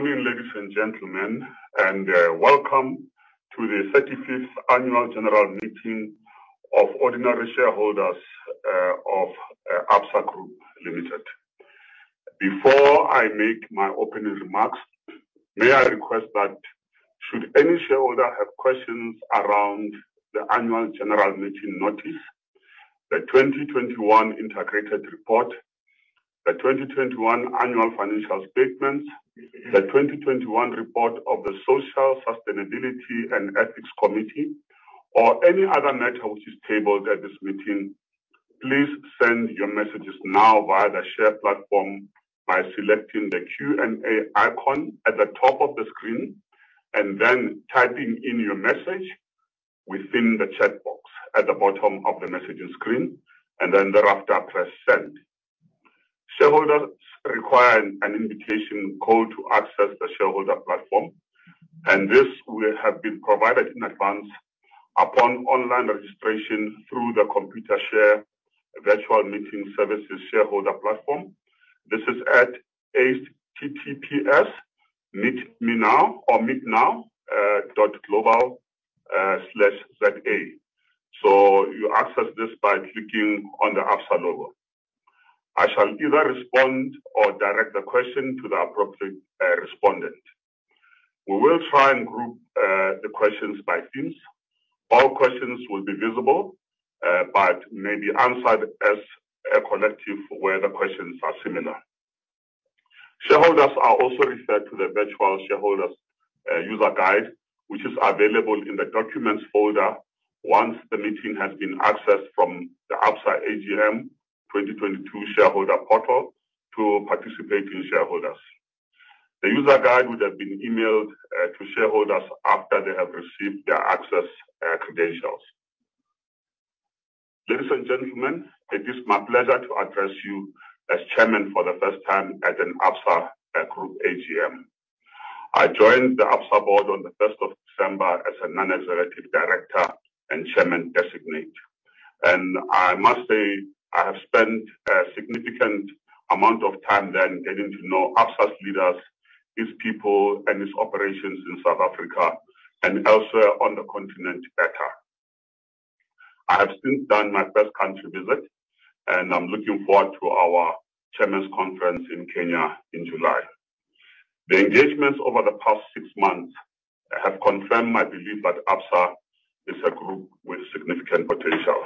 Morning, ladies and gentlemen, and welcome to the thirty-fifth annual general meeting of ordinary shareholders of Absa Group Limited. Before I make my opening remarks, may I request that should any shareholder have questions around the annual general meeting notice, the 2021 integrated report, the 2021 annual financial statements, the 2021 report of the Social Sustainability and Ethics Committee or any other matter which is tabled at this meeting, please send your messages now via the shareholder platform by selecting the Q&A icon at the top of the screen and then typing in your message within the chat box at the bottom of the messaging screen, and then thereafter, press Send. Shareholders require an invitation code to access the shareholder platform, and this will have been provided in advance upon online registration through the Computershare Virtual Meeting Services shareholder platform. This is at https://meetnow.global/za. You access this by clicking on the Absa logo. I shall either respond or direct the question to the appropriate respondent. We will try and group the questions by themes. All questions will be visible but may be answered as a collective where the questions are similar. Shareholders are also referred to the virtual shareholders user guide, which is available in the documents folder once the meeting has been accessed from the Absa AGM 2022 shareholder portal to participate in shareholders. The user guide would have been emailed to shareholders after they have received their access credentials. Ladies and gentlemen, it is my pleasure to address you as Chairman for the first time at an Absa Group AGM. I joined the Absa board on the first of December as a non-executive director and chairman designate. I must say I have spent a significant amount of time then getting to know Absa's leaders, its people and its operations in South Africa and elsewhere on the continent better. I have since done my first country visit, and I'm looking forward to our chairman's conference in Kenya in July. The engagements over the past six months have confirmed my belief that Absa is a group with significant potential.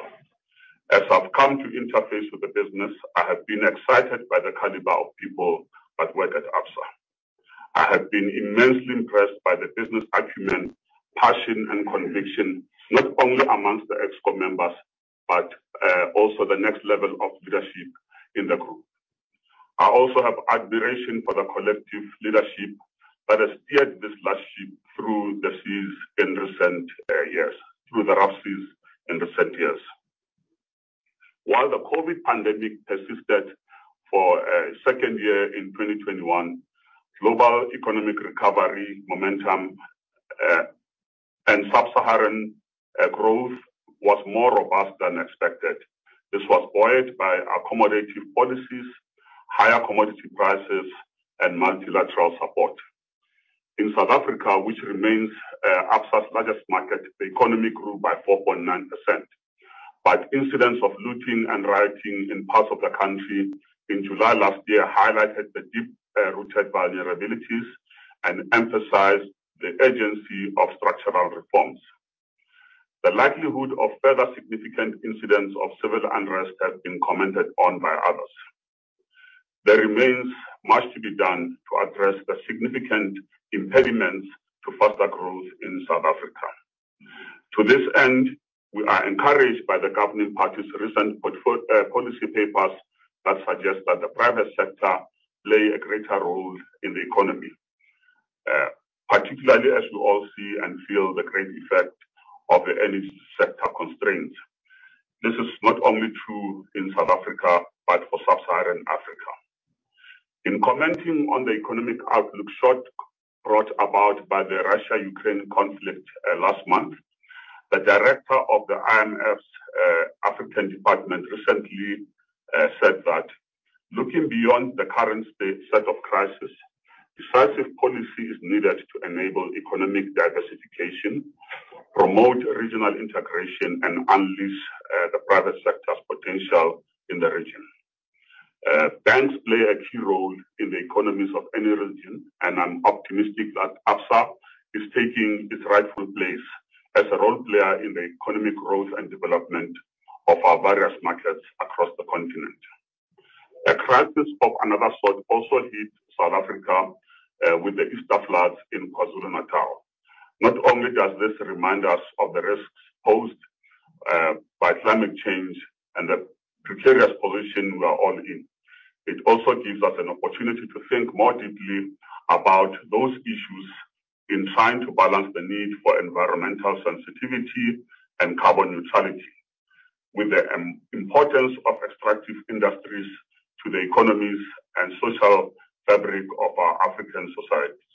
As I've come to interface with the business, I have been excited by the caliber of people that work at Absa. I have been immensely impressed by the business acumen, passion, and conviction, not only amongst the Exco members but also the next level of leadership in the group. I also have admiration for the collective leadership that has steered this large ship through the rough seas in recent years. While the COVID pandemic persisted for a second year in 2021, global economic recovery momentum and sub-Saharan growth was more robust than expected. This was buoyed by accommodative policies, higher commodity prices, and multilateral support. In South Africa, which remains Absa's largest market, the economy grew by 4.9%. Incidents of looting and rioting in parts of the country in July last year highlighted the deep rooted vulnerabilities and emphasized the urgency of structural reforms. The likelihood of further significant incidents of civil unrest have been commented on by others. There remains much to be done to address the significant impediments to faster growth in South Africa. To this end, we are encouraged by the governing party's recent policy papers that suggest that the private sector play a greater role in the economy, particularly as we all see and feel the great effect of the energy sector constraints. This is not only true in South Africa, but for sub-Saharan Africa. In commenting on the economic outlook shock brought about by the Russia-Ukraine conflict last month, the director of the IMF's African department recently said that looking beyond the current steady set of crises, decisive policy is needed to enable economic diversification, promote regional integration, and unleash the private sector's potential in the region. Banks play a key role in the economies of any region, and I'm optimistic that Absa is taking its rightful place as a role player in the economic growth and development of our various markets across the continent. A crisis of another sort also hit South Africa with the Easter floods in KwaZulu-Natal. Not only does this remind us of the risks posed by climate change and the precarious position we are all in, it also gives us an opportunity to think more deeply about those issues in trying to balance the need for environmental sensitivity and carbon neutrality with the importance of extractive industries to the economies and social fabric of our African societies.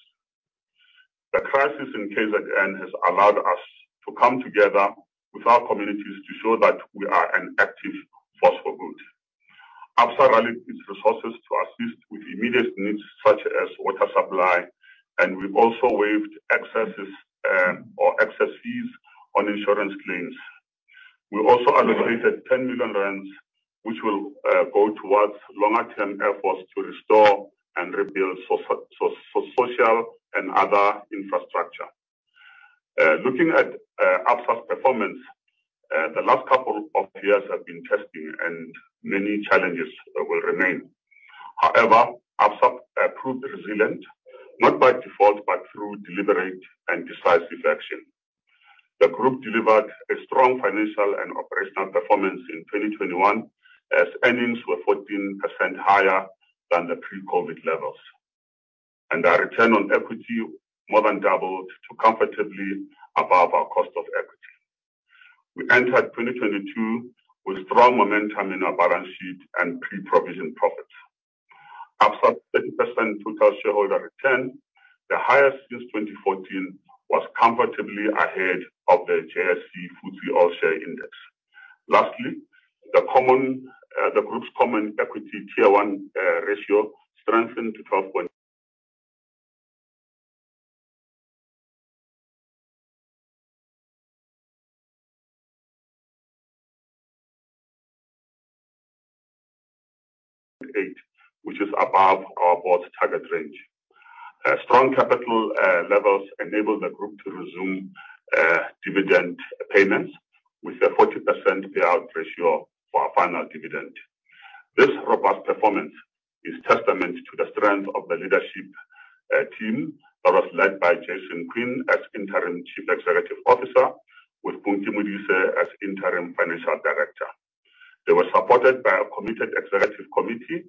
The crisis in KZN has allowed us to come together with our communities to show that we are an active force for good. Absa rallied its resources to assist with immediate needs such as water supply, and we've also waived excesses or excess fees on insurance claims. We also allocated 10 million rand, which will go towards longer-term efforts to restore and rebuild social and other infrastructure. Looking at Absa's performance, the last couple of years have been testing and many challenges will remain. However, Absa have proved resilient, not by default, but through deliberate and decisive action. The group delivered a strong financial and operational performance in 2021 as earnings were 14% higher than the pre-COVID levels. Our return on equity more than doubled to comfortably above our cost of equity. We entered 2022 with strong momentum in our balance sheet and pre-provision profits. Absa's 30% total shareholder return, the highest since 2014, was comfortably ahead of the FTSE/JSE All Share Index. Lastly, the group's common equity tier one ratio strengthened to 12.8, which is above our board target range. Strong capital levels enabled the group to resume dividend payments with a 40% payout ratio for our final dividend. This robust performance is testament to the strength of the leadership team that was led by Jason Quinn as Interim Chief Executive Officer with Punki Modise as Interim Financial Director. They were supported by a committed executive committee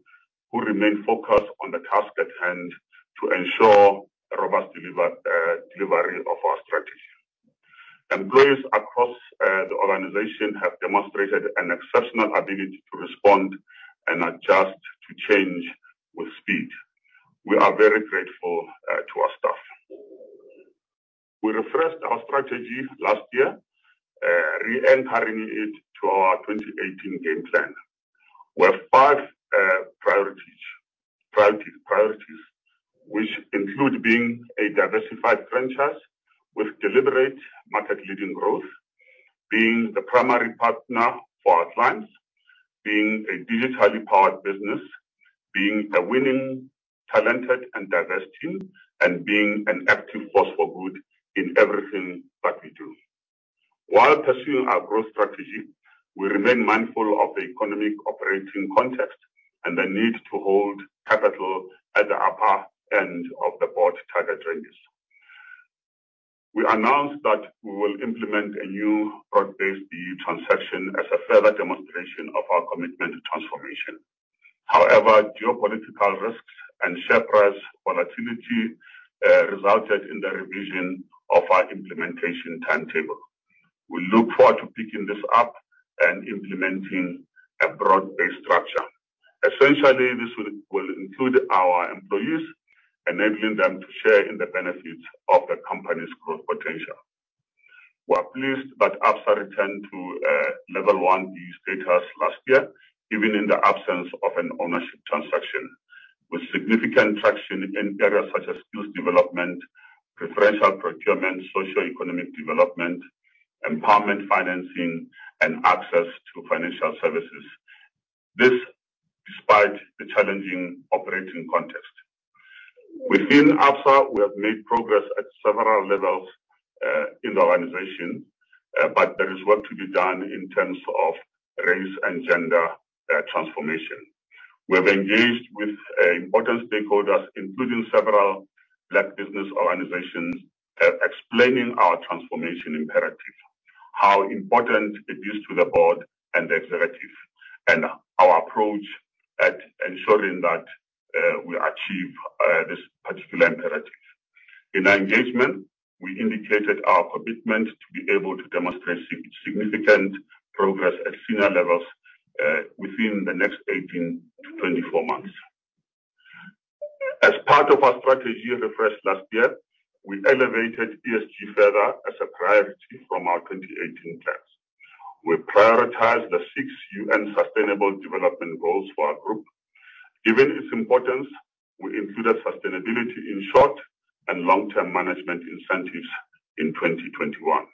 who remained focused on the task at hand to ensure a robust delivery of our strategy. Employees across the organization have demonstrated an exceptional ability to respond and adjust to change with speed. We are very grateful to our staff. We refreshed our strategy last year, reanchoring it to our 2018 game plan. We have five priorities which include being a diversified franchise with deliberate market-leading growth, being the primary partner for our clients, being a digitally powered business, being a winning, talented, and diverse team, and being an active force for good in everything that we do. While pursuing our growth strategy, we remain mindful of the economic operating context and the need to hold capital at the upper end of the board target ranges. We announced that we will implement a new broad-based BEE transaction as a further demonstration of our commitment to transformation. However, geopolitical risks and share price volatility resulted in the revision of our implementation timetable. We look forward to picking this up and implementing a broad-based structure. Essentially, this will include our employees, enabling them to share in the benefits of the company's growth potential. We're pleased that Absa returned to level one BEE status last year, even in the absence of an ownership transaction, with significant traction in areas such as skills development, preferential procurement, socio-economic development, empowerment financing, and access to financial services. This despite the challenging operating context. Within Absa, we have made progress at several levels in the organization, but there is work to be done in terms of race and gender transformation. We have engaged with important stakeholders, including several Black business organizations, explaining our transformation imperative, how important it is to the board and the executive, and our approach at ensuring that we achieve this particular imperative. In our engagement, we indicated our commitment to be able to demonstrate significant progress at senior levels within the next 18-24 months. As part of our strategy refresh last year, we elevated ESG further as a priority from our 2018 plans. We prioritized the six UN Sustainable Development Goals for our group. Given its importance, we included sustainability in short- and long-term management incentives in 2021.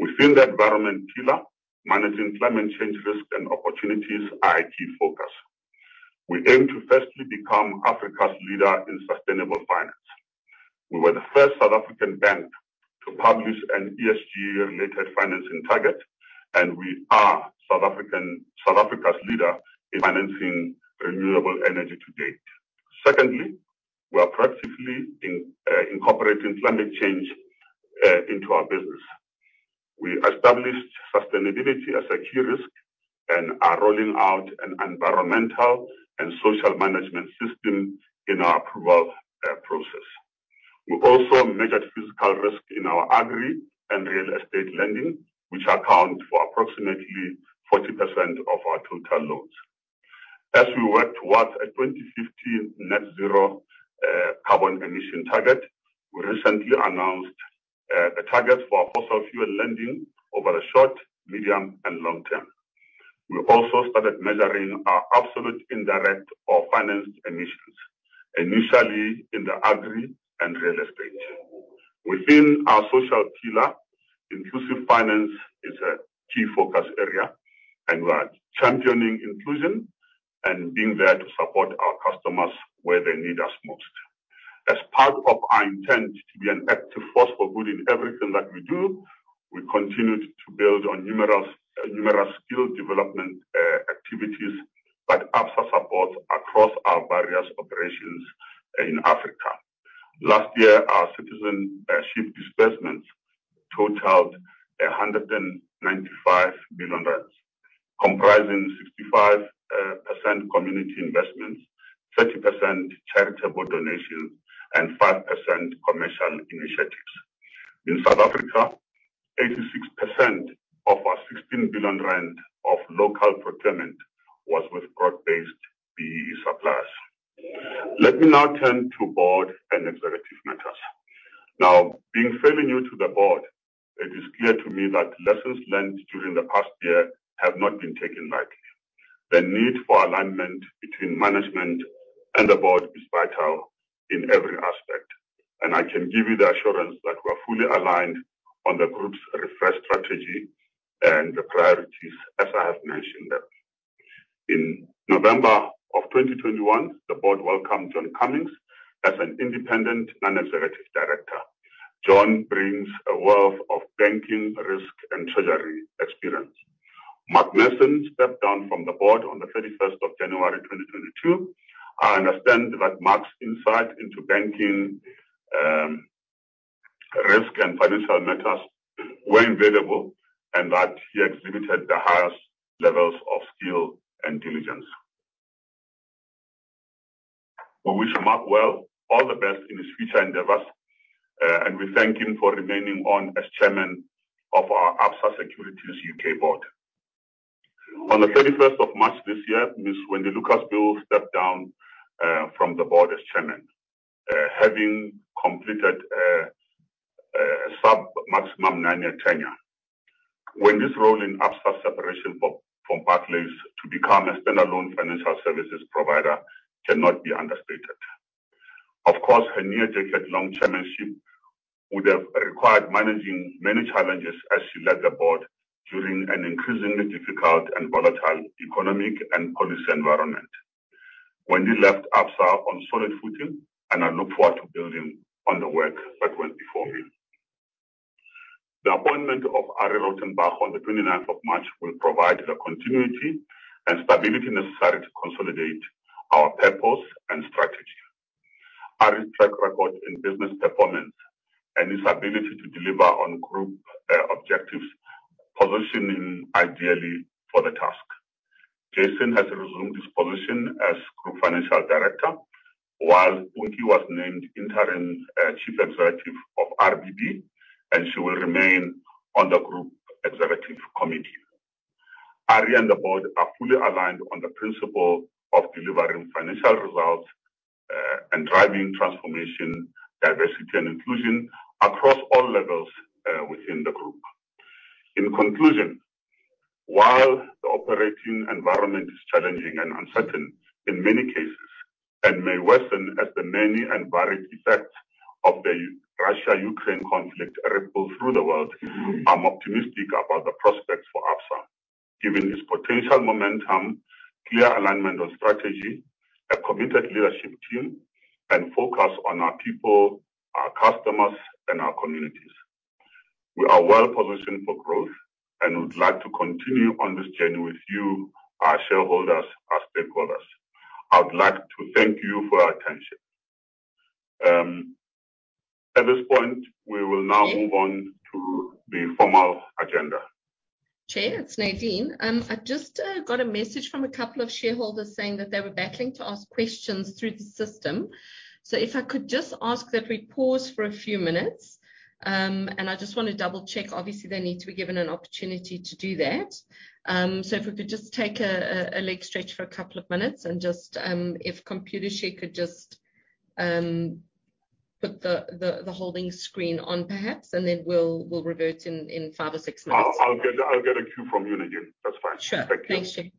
Within the environment pillar, managing climate change risks and opportunities are a key focus. We aim to firstly become Africa's leader in sustainable finance. We were the first South African bank to publish an ESG-related financing target, and we are South Africa's leader in financing renewable energy to date. Secondly, we are proactively incorporating climate change into our business. We established sustainability as a key risk and are rolling out an environmental and social management system in our approval process. We've also measured physical risk in our agri and real estate lending, which account for approximately 40% of our total loans. As we work towards a 2050 net zero carbon emission target, we recently announced a target for fossil fuel lending over a short, medium, and long term. We also started measuring our absolute indirect or financed emissions, initially in the agri and real estate. Within our social pillar, inclusive finance is a key focus area, and we are championing inclusion and being there to support our customers where they need us most. As part of our intent to be an active force for good in everything that we do, we continued to build on numerous skill development activities that Absa supports across our various operations in Africa. Last year, our citizenship disbursements totaled 195 million, comprising 65% community investments, 30% charitable donations, and 5% commercial initiatives. In South Africa, 86% of our 16 billion rand of local procurement was with broad-based BEE suppliers. Let me now turn to board and executive matters. Now, being fairly new to the board, it is clear to me that lessons learned during the past year have not been taken lightly. The need for alignment between management and the board is vital in every aspect, and I can give you the assurance that we're fully aligned on the group's refreshed strategy and the priorities as I have mentioned them. In November 2021, the board welcomed John Cummins as an independent non-executive director. John brings a wealth of banking, risk, and treasury experience. Mark Mason stepped down from the board on 31st January 2022. I understand that Mark's insight into banking, risk, and financial matters were invaluable, and that he exhibited the highest levels of skill and diligence. We wish Mark well all the best in his future endeavors, and we thank him for remaining on as chairman of our Absa Securities UK board. On 31st March this year, Ms. Wendy Lucas-Bull stepped down from the board as chairman. Having completed a maximum nine-year tenure. Wendy's role in Absa's separation from Barclays to become a standalone financial services provider cannot be understated. Of course, her near decade-long chairmanship would have required managing many challenges as she led the board during an increasingly difficult and volatile economic and policy environment. Wendy left Absa on solid footing, and I look forward to building on the work that went before me. The appointment of Arrie Rautenbach on the twenty-ninth of March will provide the continuity and stability necessary to consolidate our purpose and strategy. Arrie's track record in business performance and his ability to deliver on group objectives position him ideally for the task. Jason has resumed his position as group financial director, while Punki was named interim chief executive of RBD, and she will remain on the group executive committee. Arrie and the board are fully aligned on the principle of delivering financial results, and driving transformation, diversity, and inclusion across all levels, within the group. In conclusion, while the operating environment is challenging and uncertain in many cases and may worsen as the many and varied effects of the Russia-Ukraine conflict ripple through the world, I'm optimistic about the prospects for Absa, given its potential momentum, clear alignment on strategy, a committed leadership team, and focus on our people, our customers, and our communities. We are well-positioned for growth and would like to continue on this journey with you, our shareholders, our stakeholders. I would like to thank you for your attention. At this point, we will now move on to the formal agenda. Chair, it's Nadine. I just got a message from a couple of shareholders saying that they were battling to ask questions through the system. If I could just ask that we pause for a few minutes, and I just want to double-check. Obviously, they need to be given an opportunity to do that. If we could just take a leg stretch for a couple of minutes and just if Computershare could just put the holding screen on perhaps, and then we'll revert in five or six minutes. I'll get a cue from you, Nadine. That's fine. Sure. Thank you. Thanks,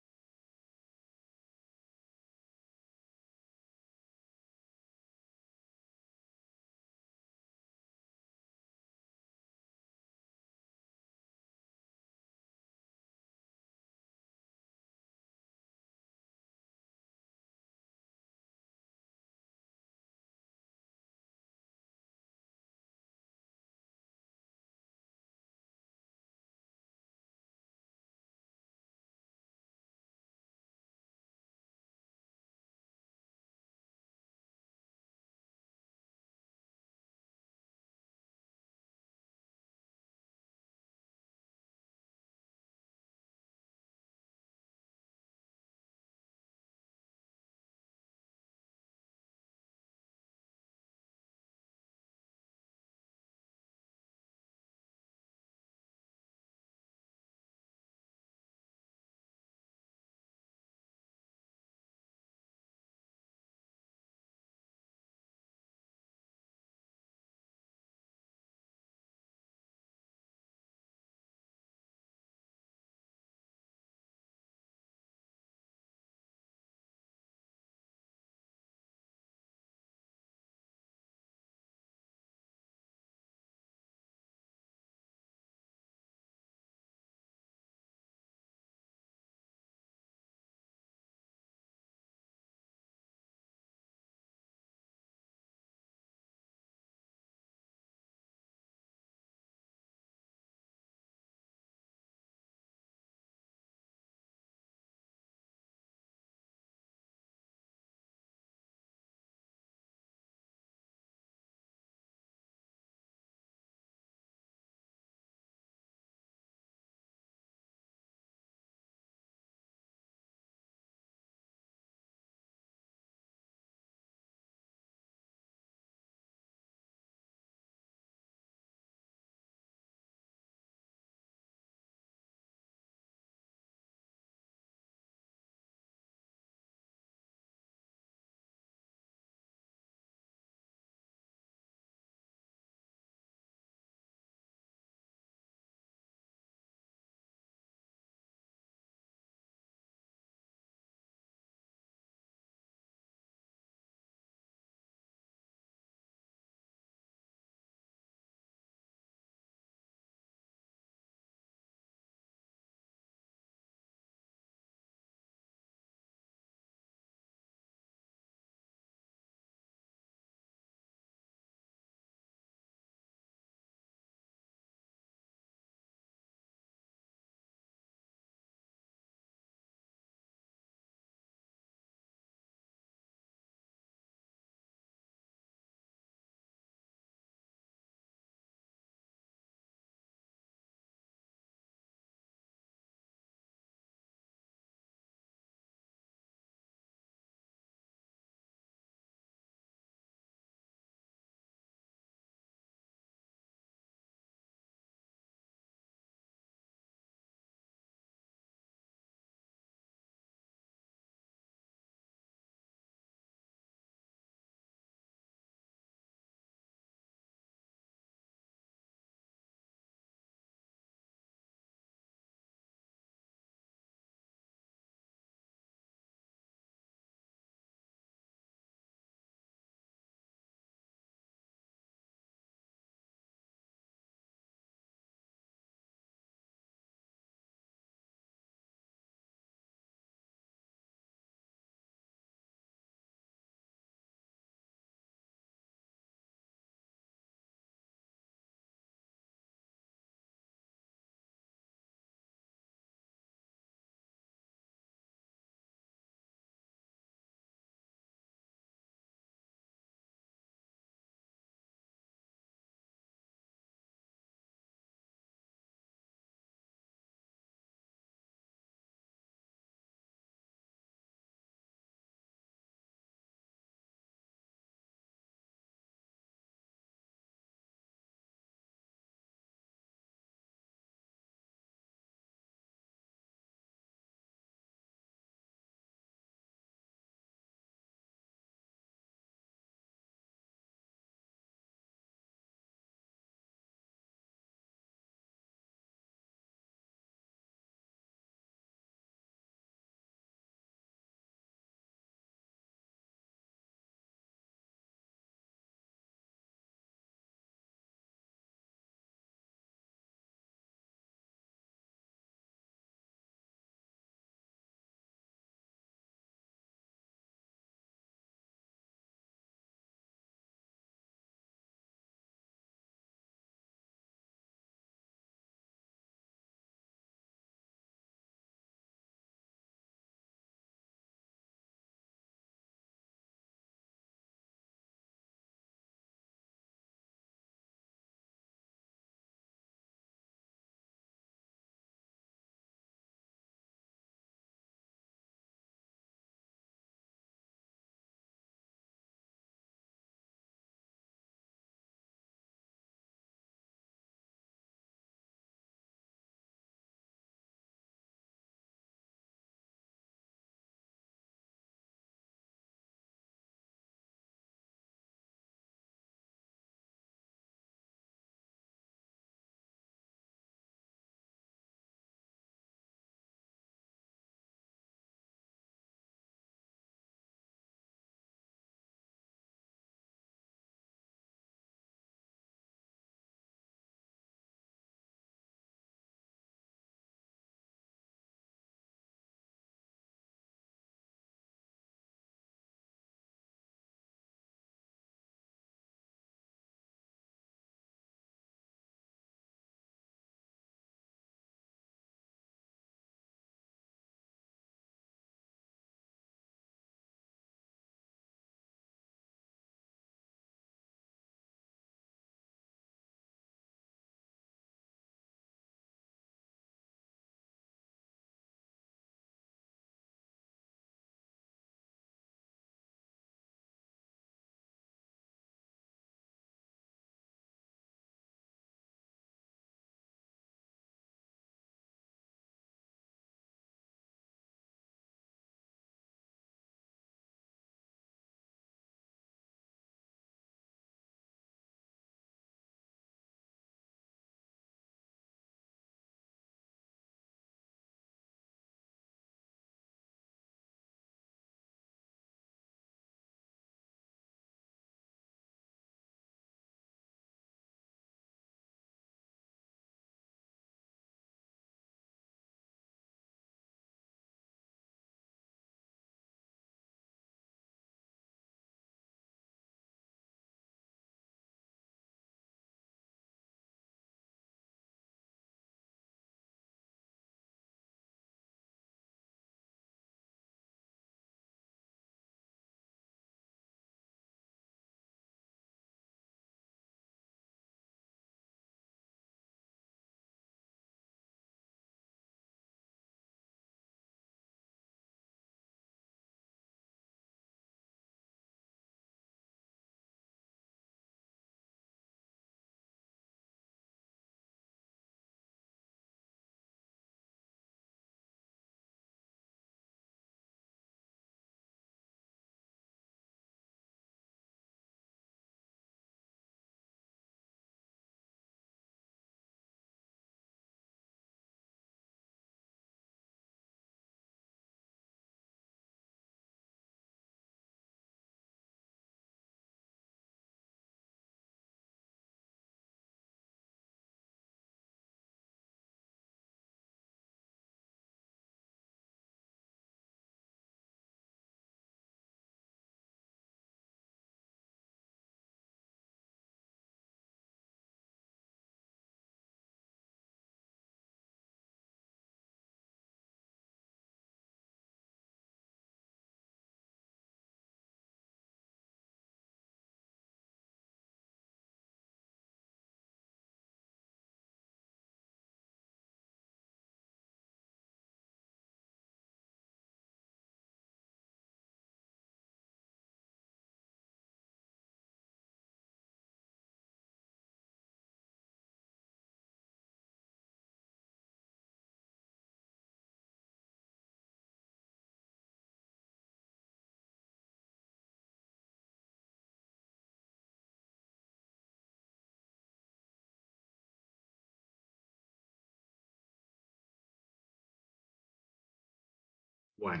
Chair.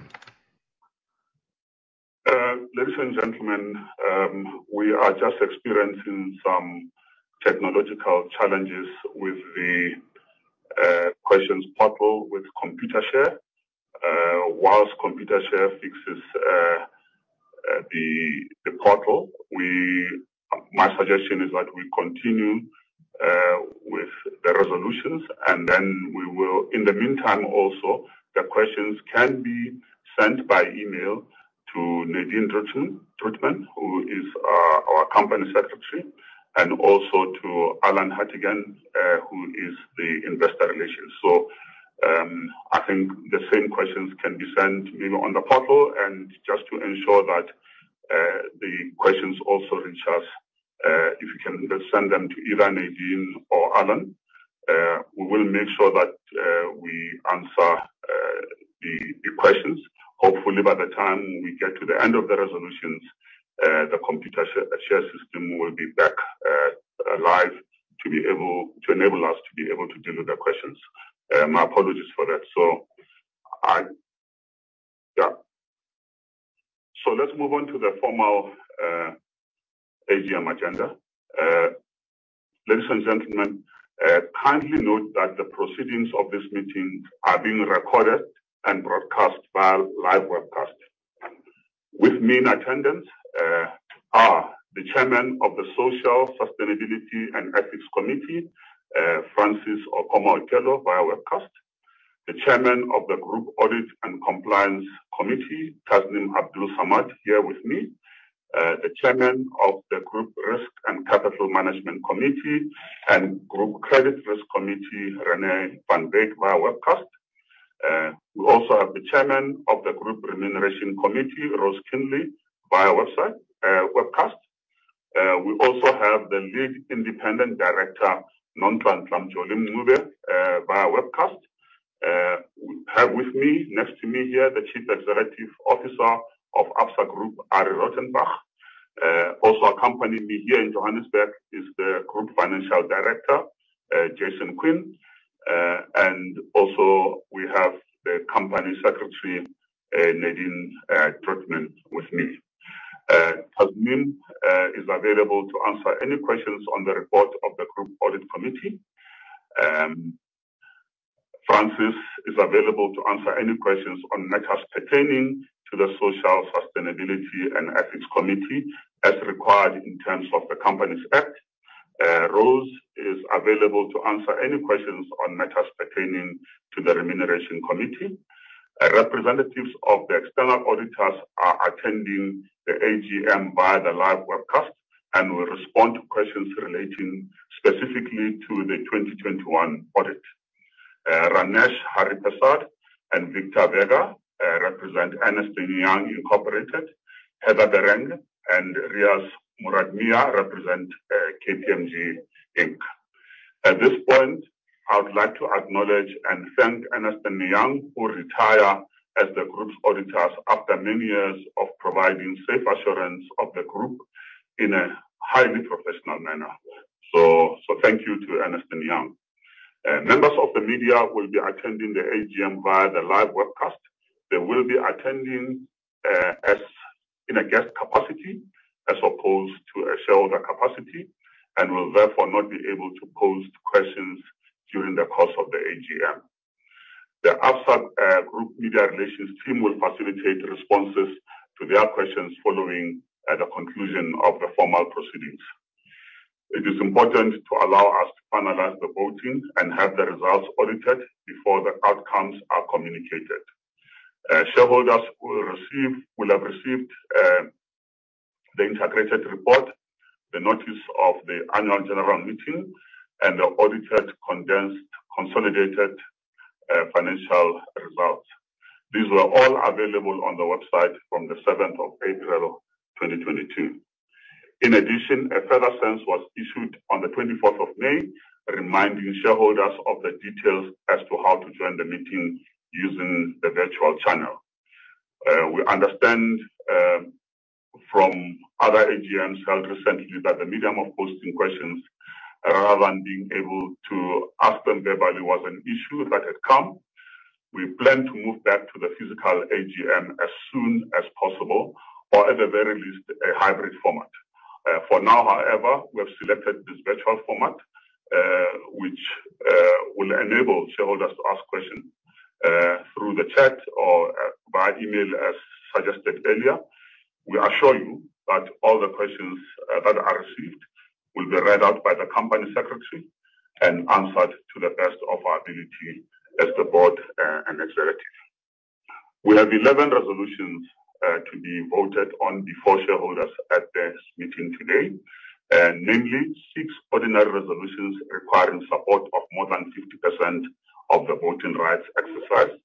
Sure. Ladies and gentlemen, we are just experiencing some technological challenges with the questions portal with Computershare. While Computershare fixes the portal, my suggestion is that we continue with the resolutions, and then we will. In the meantime, also, the questions can be sent by email to Nadine Drutman, who is our Company Secretary, and also to Alan Hartdegen, who is the Investor Relations. I think the same questions can be sent maybe on the portal and just to ensure that the questions also reach us, if you can just send them to either Nadine or Alan. We will make sure that we answer the questions. Hopefully, by the time we get to the end of the resolutions, the Computershare system will be back alive to enable us to be able to deliver the questions. My apologies for that. Let's move on to the formal AGM agenda. Ladies and gentlemen, kindly note that the proceedings of this meeting are being recorded and broadcast via live webcast. With me in attendance are the Chairman of the Social, Sustainability and Ethics Committee, Francis Okomo-Okello, via webcast. The Chairman of the Group Audit and Compliance Committee, Tasneem Abdool-Samad, here with me. The Chairman of the Group Risk and Capital Management Committee and Group Credit Risk Committee, René van Wyk, via webcast. We also have the Chairman of the Group Remuneration Committee, Rose Keanly, via webcast. We also have the Lead Independent Director, Nhlanhla Mjoli-Mncube, via webcast. We have with me, next to me here, the Chief Executive Officer of Absa Group, Arrie Rautenbach. Also accompanying me here in Johannesburg is the Group Financial Director, Jason Quinn. Also we have the Company Secretary, Nadine Drutman with me. Tasneem Abdool-Samad is available to answer any questions on the report of the Group Audit Committee. Francis Okomo-Okello is available to answer any questions on matters pertaining to the Social, Sustainability and Ethics Committee, as required in terms of the Companies Act. Rose Keanly is available to answer any questions on matters pertaining to the Remuneration Committee. Representatives of the external auditors are attending the AGM via the live webcast and will respond to questions relating specifically to the 2021 audit. Ranesh Hariparsad and Victor Vega represent Ernst & Young Incorporated. Heather De Reuck and Riaz Morad Mia represent KPMG Inc. At this point, I would like to acknowledge and thank Ernst & Young, who retire as the group's auditors after many years of providing safe assurance of the group in a highly professional manner. Thank you to Ernst & Young. Members of the media will be attending the AGM via the live webcast. They will be attending as in a guest capacity as opposed to a shareholder capacity and will therefore not be able to pose questions during the course of the AGM. The Absa Group Media Relations team will facilitate responses to their questions following, at the conclusion of the formal proceedings. It is important to allow us to finalize the voting and have the results audited before the outcomes are communicated. Shareholders will have received the integrated report, the notice of the annual general meeting, and the audited, condensed, consolidated financial results. These were all available on the website from the seventh of April 2022. In addition, a further SENS was issued on the twenty-fourth of May, reminding shareholders of the details as to how to join the meeting using the virtual channel. We understand from other AGMs held recently that the medium of posting questions rather than being able to ask them verbally was an issue that had come. We plan to move back to the physical AGM as soon as possible or, at the very least, a hybrid format. For now, however, we have selected this virtual format, which will enable shareholders to ask questions through the chat or via email as suggested earlier. We assure you that all the questions that are received will be read out by the Company Secretary and answered to the best of our ability as the board and executive. We have 11 resolutions to be voted on before shareholders at this meeting today. Namely, six ordinary resolutions requiring support of more than 50% of the voting rights exercised.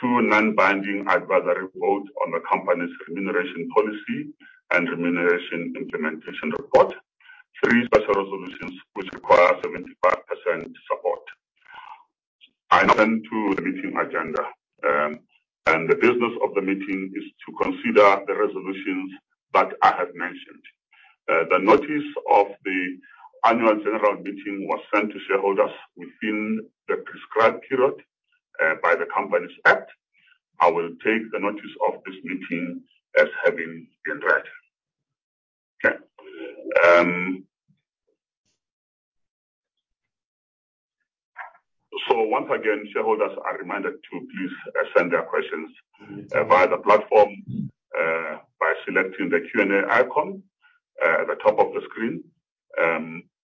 Two non-binding advisory vote on the company's remuneration policy and remuneration implementation report. Three special resolutions which require 75% support. I turn to the meeting agenda. The business of the meeting is to consider the resolutions that I have mentioned. The notice of the annual general meeting was sent to shareholders within the prescribed period by the Companies Act. I will take the notice of this meeting as having been read. Okay. Once again, shareholders are reminded to please send their questions via the platform by selecting the Q&A icon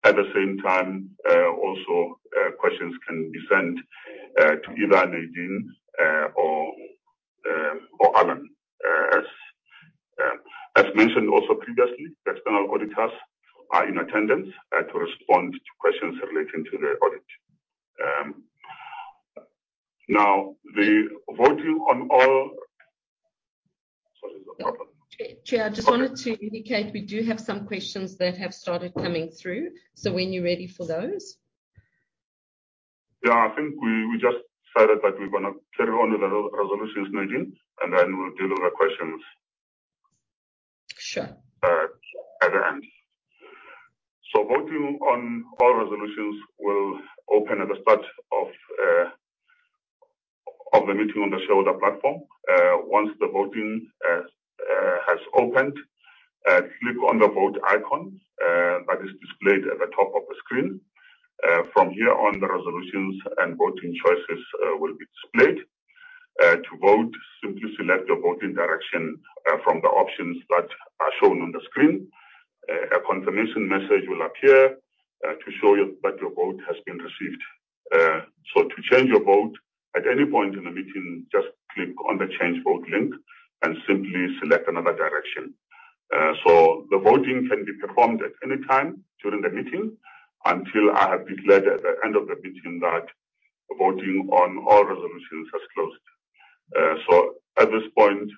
at the top of the screen. Questions can be sent to either Nadine or Alan. As mentioned previously, the external auditors are in attendance to respond to questions relating to their audit. Sorry, there's a problem. Chair, I just wanted to indicate we do have some questions that have started coming through, so when you're ready for those. I think we just decided that we're gonna carry on with the resolutions, Nadine, and then we'll deal with the questions. Sure At the end. Voting on all resolutions will open at the start of the meeting on the shareholder platform. Once the voting has opened, click on the Vote icon that is displayed at the top of the screen. From here on, the resolutions and voting choices will be displayed. To vote, simply select your voting direction from the options that are shown on the screen. A confirmation message will appear to show you that your vote has been received. To change your vote at any point in the meeting, just click on the Change Vote link and simply select another direction. The voting can be performed at any time during the meeting until I have declared at the end of the meeting that voting on all resolutions has closed. At this point,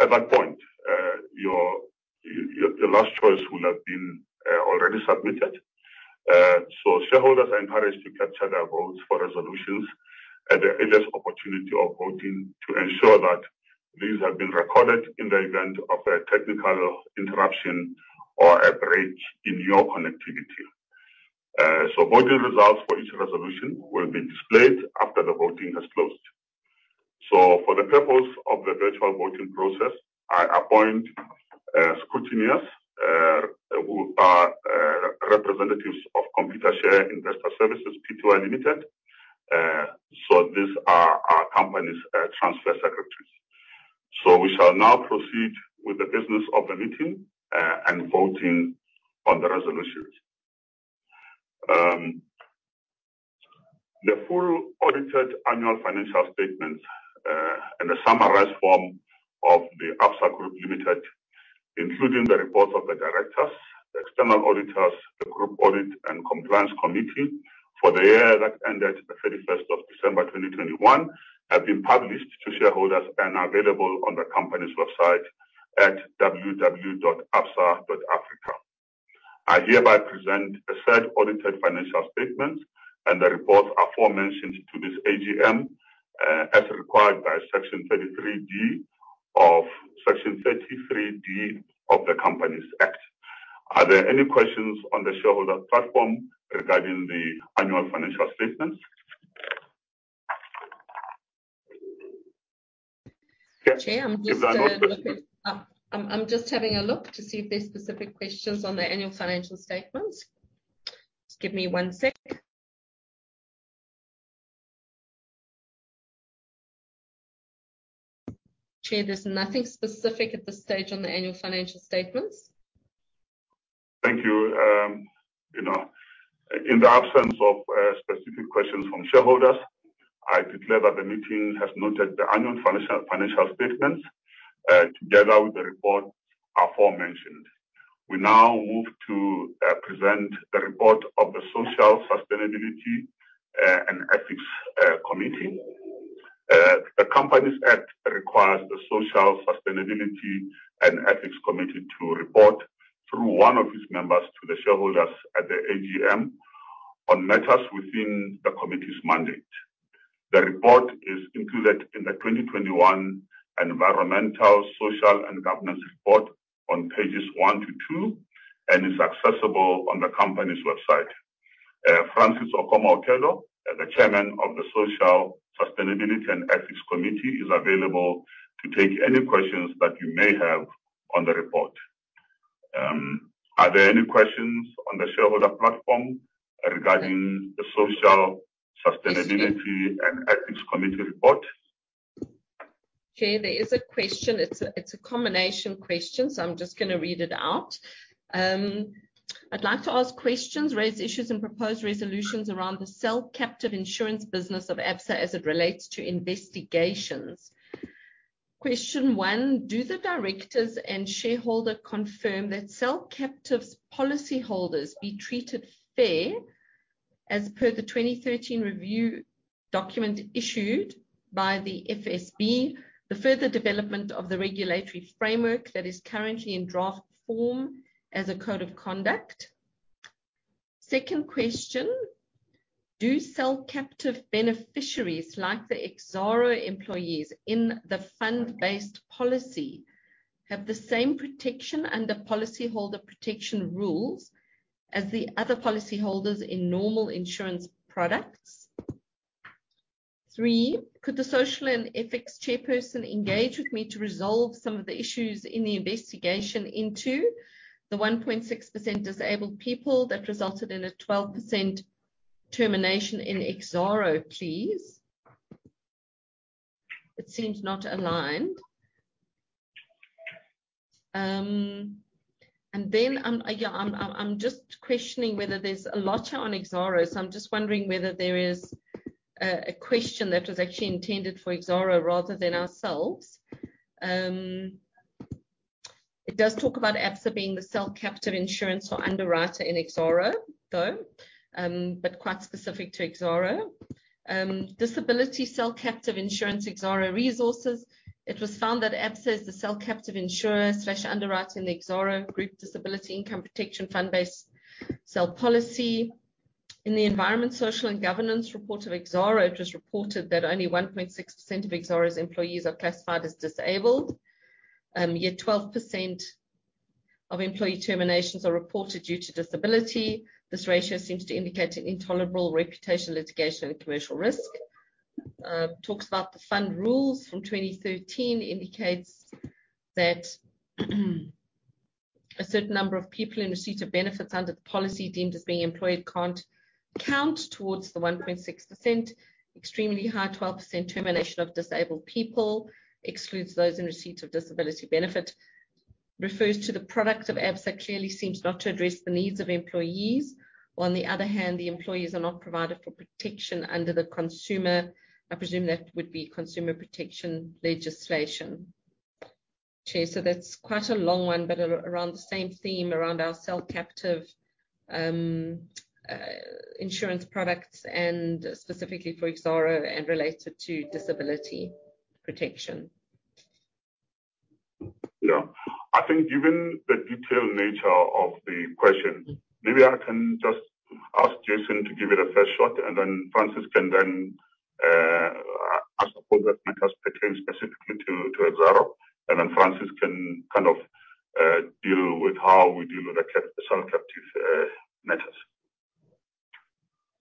at that point, your last choice will have been already submitted. Shareholders are encouraged to capture their votes for resolutions at their earliest opportunity of voting to ensure that these have been recorded in the event of a technical interruption or a break in your connectivity. Voting results for each resolution will be displayed after the voting has closed. For the purpose of the virtual voting process, I appoint scrutineers who are representatives of Computershare Investor Services (Pty) Ltd. These are our company's transfer secretaries. We shall now proceed with the business of the meeting and voting on the resolutions. The full audited annual financial statements, and a summarized form of the Absa Group Limited, including the reports of the directors, the external auditors, the group audit and compliance committee for the year that ended the 31st of December 2021, have been published to shareholders and are available on the company's website at www.absa.africa. I hereby present the said audited financial statements and the reports aforementioned to this AGM, as required by Section 33D of the Companies Act. Are there any questions on the shareholder platform regarding the annual financial statements? Chair, I'm just having a look to see if there's specific questions on the annual financial statements. Just give me one sec. Chair, there's nothing specific at this stage on the annual financial statements. Thank you. You know, in the absence of specific questions from shareholders, I declare that the meeting has noted the annual financial statements together with the report aforementioned. We now move to present the report of the Social, Sustainability, and Ethics Committee. The Companies Act requires the Social, Sustainability, and Ethics Committee to report through one of its members to the shareholders at the AGM on matters within the committee's mandate. The report is included in the 2021 Environmental, Social, and Governance report on pages one to two and is accessible on the company's website. Francis Okomo-Okello, the chairman of the Social, Sustainability, and Ethics Committee, is available to take any questions that you may have on the report. Are there any questions on the shareholder platform regarding the Social, Sustainability, and Ethics Committee report? Chair, there is a question. It's a combination question, so I'm just gonna read it out. I'd like to ask questions, raise issues, and propose resolutions around the cell captive insurance business of Absa as it relates to investigations. Question one, do the directors and shareholder confirm that cell captive's policyholders be treated fair as per the 2013 review document issued by the FSB, the further development of the regulatory framework that is currently in draft form as a code of conduct? Second question. Do cell captive beneficiaries like the Exxaro employees in the fund-based policy have the same protection under policyholder protection rules as the other policyholders in normal insurance products? Three, could the social and ethics chairperson engage with me to resolve some of the issues in the investigation into the 1.6% disabled people that resulted in a 12% termination in Exxaro, please? It seems not aligned. And then, yeah, I'm just questioning whether there's a lot on Exxaro. I'm just wondering whether there is a question that was actually intended for Exxaro rather than ourselves. It does talk about Absa being the cell captive insurance or underwriter in Exxaro, though, but quite specific to Exxaro. Disability cell captive insurance Exxaro Resources. It was found that Absa is the cell captive insurer/underwriter in the Exxaro group disability income protection fund-based cell policy. In the environmental, social and governance report of Exxaro, it was reported that only 1.6% of Exxaro's employees are classified as disabled, yet 12% of employee terminations are reported due to disability. This ratio seems to indicate an intolerable reputational litigation and commercial risk. Talks about the fund rules from 2013 indicates that a certain number of people in receipt of benefits under the policy deemed as being employed can't count towards the 1.6%. Extremely high 12% termination of disabled people excludes those in receipt of disability benefit. Refers to the product of Absa clearly seems not to address the needs of employees. On the other hand, the employees are not provided for protection under the consumer protection legislation, I presume. Chair, that's quite a long one, but around the same theme around our cell captive insurance products and specifically for Exxaro and related to disability protection. I think given the detailed nature of the question, maybe I can just ask Jason to give it a fair shot, and then Francis can, I suppose that matters pertain specifically to Exxaro. Then Francis can kind of deal with how we deal with the cell captive matters.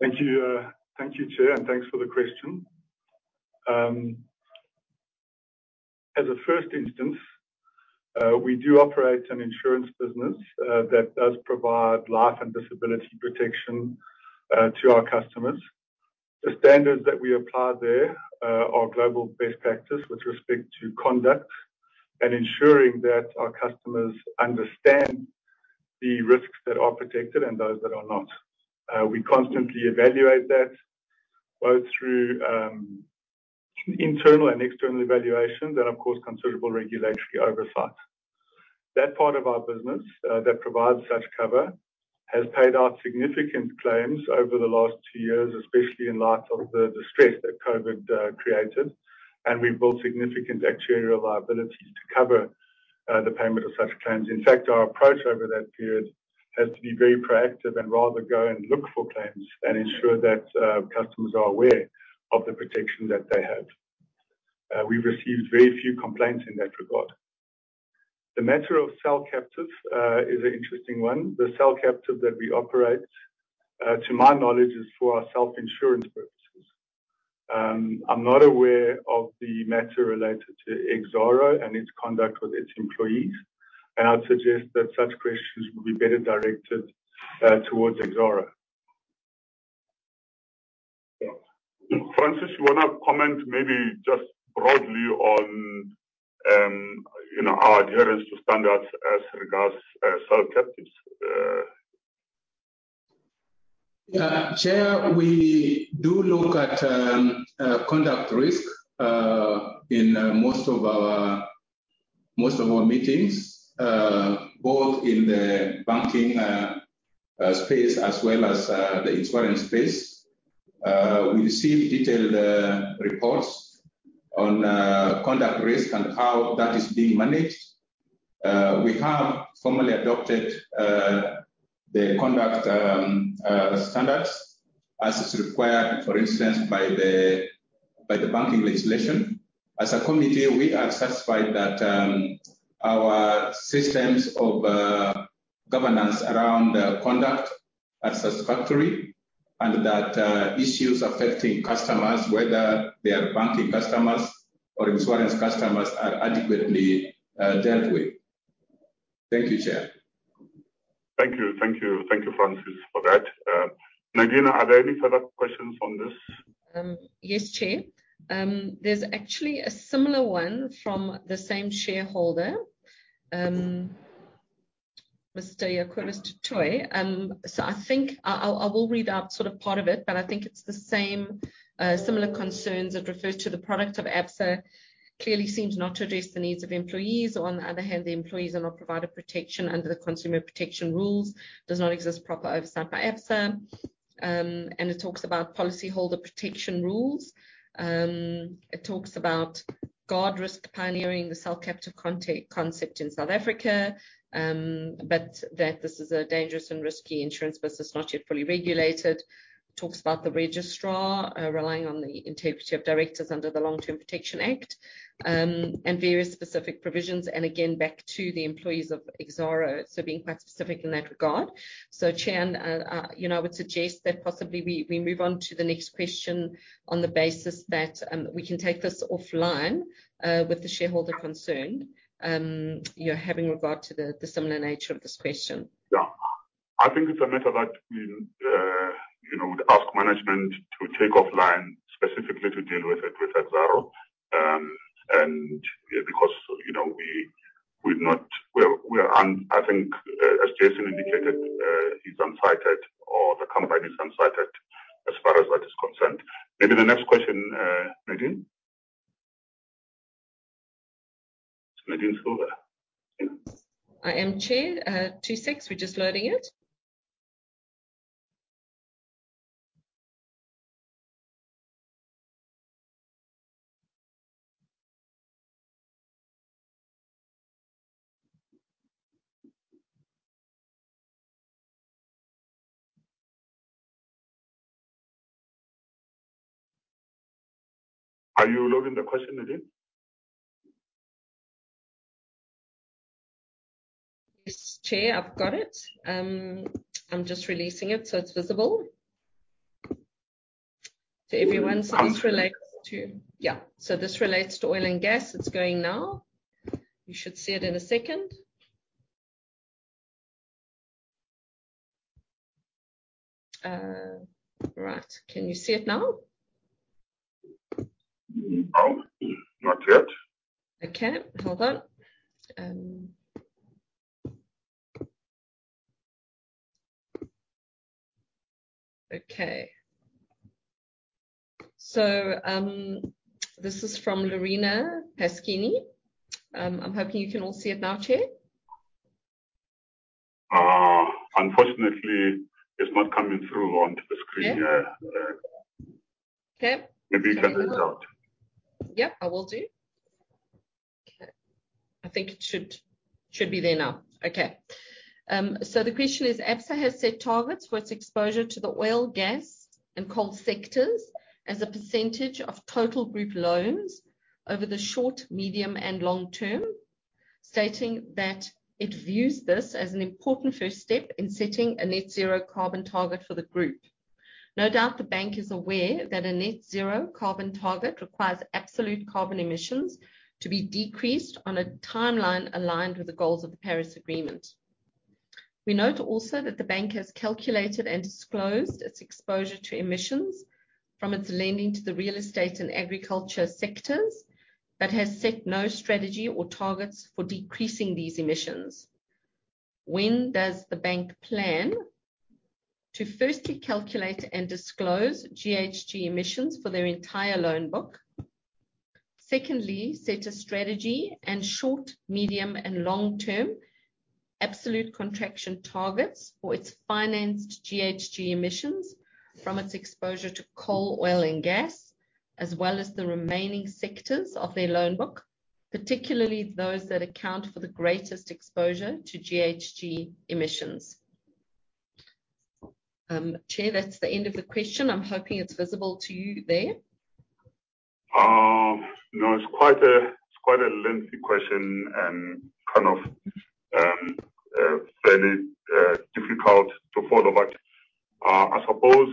Thank you, Chair, and thanks for the question. As a first instance, we do operate an insurance business that does provide life and disability protection to our customers. The standards that we apply there are global best practice with respect to conduct and ensuring that our customers understand the risks that are protected and those that are not. We constantly evaluate that, both through internal and external evaluations and, of course, considerable regulatory oversight. That part of our business that provides such cover has paid out significant claims over the last two years, especially in light of the distress that COVID created. We've built significant actuarial liabilities to cover the payment of such claims. In fact, our approach over that period has to be very proactive and rather go and look for claims and ensure that customers are aware of the protection that they have. We've received very few complaints in that regard. The matter of cell captive is an interesting one. The cell captive that we operate, to my knowledge, is for our self-insurance purposes. I'm not aware of the matter related to Exxaro and its conduct with its employees, and I'd suggest that such questions would be better directed towards Exxaro. Francis, you wanna comment maybe just broadly on, you know, our adherence to standards as regards cell captives? Yeah. Chair, we do look at conduct risk in most of our meetings, both in the banking space as well as the insurance space. We receive detailed reports on conduct risk and how that is being managed. We have formally adopted the conduct standards as is required, for instance, by the banking legislation. As a committee, we are satisfied that our systems of governance around conduct are satisfactory and that issues affecting customers, whether they are banking customers or insurance customers, are adequately dealt with. Thank you, Chair. Thank you, Francis, for that. Nadine, are there any further questions on this? Yes, Chair. There's actually a similar one from the same shareholder, Mr. Yakoris Tutui. So I think I will read out sort of part of it, but I think it's the same, similar concerns. It refers to the product of Absa clearly seems not to address the needs of employees. On the other hand, the employees are not provided protection under the consumer protection rules. Does not exist proper oversight by Absa. It talks about policyholder protection rules. It talks about Guardrisk pioneering the cell captive concept in South Africa, but that this is a dangerous and risky insurance business not yet fully regulated. Talks about the registrar relying on the integrity of directors under the Long-Term Insurance Act, and various specific provisions. Again, back to the employees of Exxaro, so being quite specific in that regard. Chair, you know, I would suggest that possibly we move on to the next question on the basis that we can take this offline with the shareholder concerned, you know, having regard to the similar nature of this question. Yeah. I think it's a matter that we, you know, would ask management to take offline specifically to deal with it, with Exxaro. You know, because, you know, we've not. I think, as Jason indicated, he's unsighted or the company is unsighted as far as that is concerned. Maybe the next question, Nadine. Nadine, still there? Yeah. I am, Chair. 26. We're just loading it. Are you loading the question, Nadine? Yes, Chair, I've got it. I'm just releasing it so it's visible to everyone. This relates to oil and gas. It's going now. You should see it in a second. Right. Can you see it now? No, not yet. Hold on. This is from Larina Paschini. I'm hoping you can all see it now, Chair. Unfortunately, it's not coming through onto the screen. Yeah. Yeah. Okay. Maybe you can read it out. Yep, I will do. Okay. I think it should be there now. Okay. The question is, Absa has set targets for its exposure to the oil, gas, and coal sectors as a percentage of total group loans over the short, medium, and long term, stating that it views this as an important first step in setting a net zero carbon target for the group. No doubt the bank is aware that a net zero carbon target requires absolute carbon emissions to be decreased on a timeline aligned with the goals of the Paris Agreement. We note also that the bank has calculated and disclosed its exposure to emissions from its lending to the real estate and agriculture sectors but has set no strategy or targets for decreasing these emissions. When does the bank plan to firstly calculate and disclose GHG emissions for their entire loan book? Secondly, set a strategy and short, medium, and long-term absolute contraction targets for its financed GHG emissions from its exposure to coal, oil and gas, as well as the remaining sectors of their loan book, particularly those that account for the greatest exposure to GHG emissions. Chair, that's the end of the question. I'm hoping it's visible to you there. No, it's quite a lengthy question and kind of fairly difficult to follow, but I suppose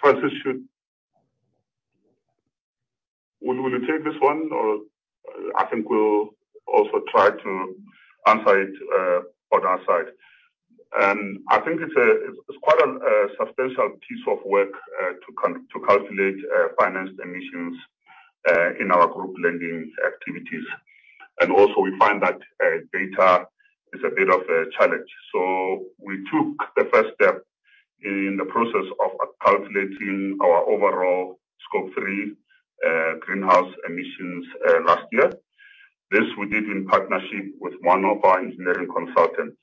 Francis should. Will you take this one or I think we'll also try to answer it on our side. I think it's quite a substantial piece of work to calculate financed emissions in our group lending activities. We find that data is a bit of a challenge. We took the first step in the process of calculating our overall Scope three greenhouse emissions last year. This we did in partnership with one of our engineering consultants.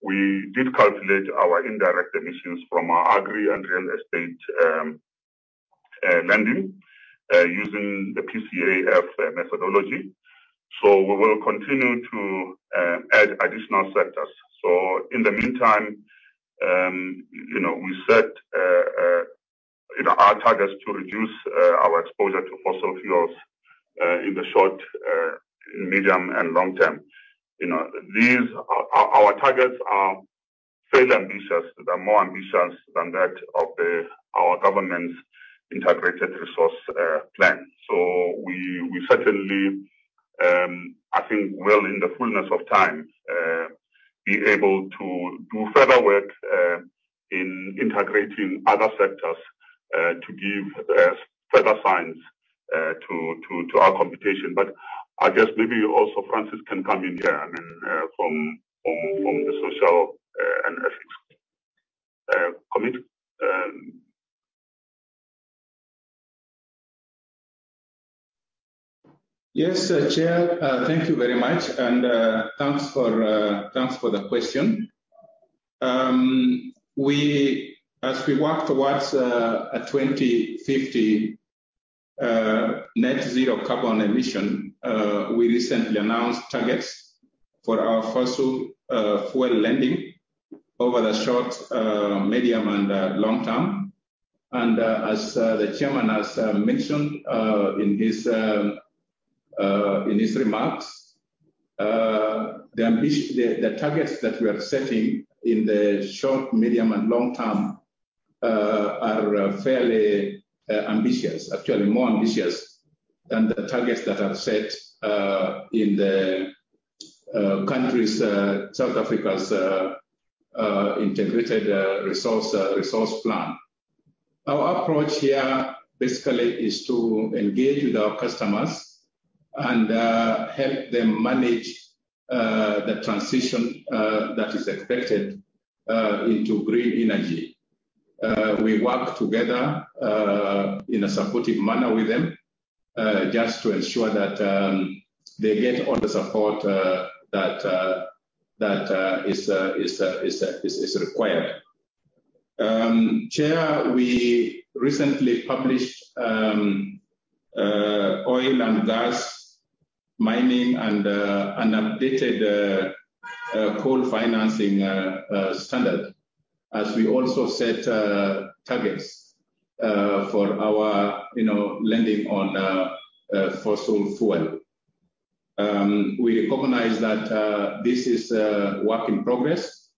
We did calculate our indirect emissions from our agri and real estate lending using the PCAF methodology. We will continue to add additional sectors. In the meantime, you know, we set our targets to reduce our exposure to fossil fuels in the short, medium and long term. You know, our targets are fairly ambitious. They're more ambitious than that of our government's integrated resource plan. We certainly, I think, will, in the fullness of time, be able to do further work in integrating other sectors to give further science to our computation. I guess maybe also Francis can come in here, I mean, from the social and ethics committee. Yes, Chair, thank you very much and thanks for the question. As we work towards a 2050 net zero carbon emission, we recently announced targets for our fossil fuel lending over the short, medium, and the long term. As the chairman has mentioned in his remarks, the targets that we are setting in the short, medium, and long term are fairly ambitious. Actually more ambitious than the targets that are set in the country's South Africa's integrated resource plan. Our approach here basically is to engage with our customers and help them manage the transition that is expected into green energy. We work together in a supportive manner with them just to ensure that they get all the support that is required. Chair, we recently published oil and gas mining and an updated coal financing standard, as we also set targets for our, you know, lending on fossil fuel. We recognize that this is work in progress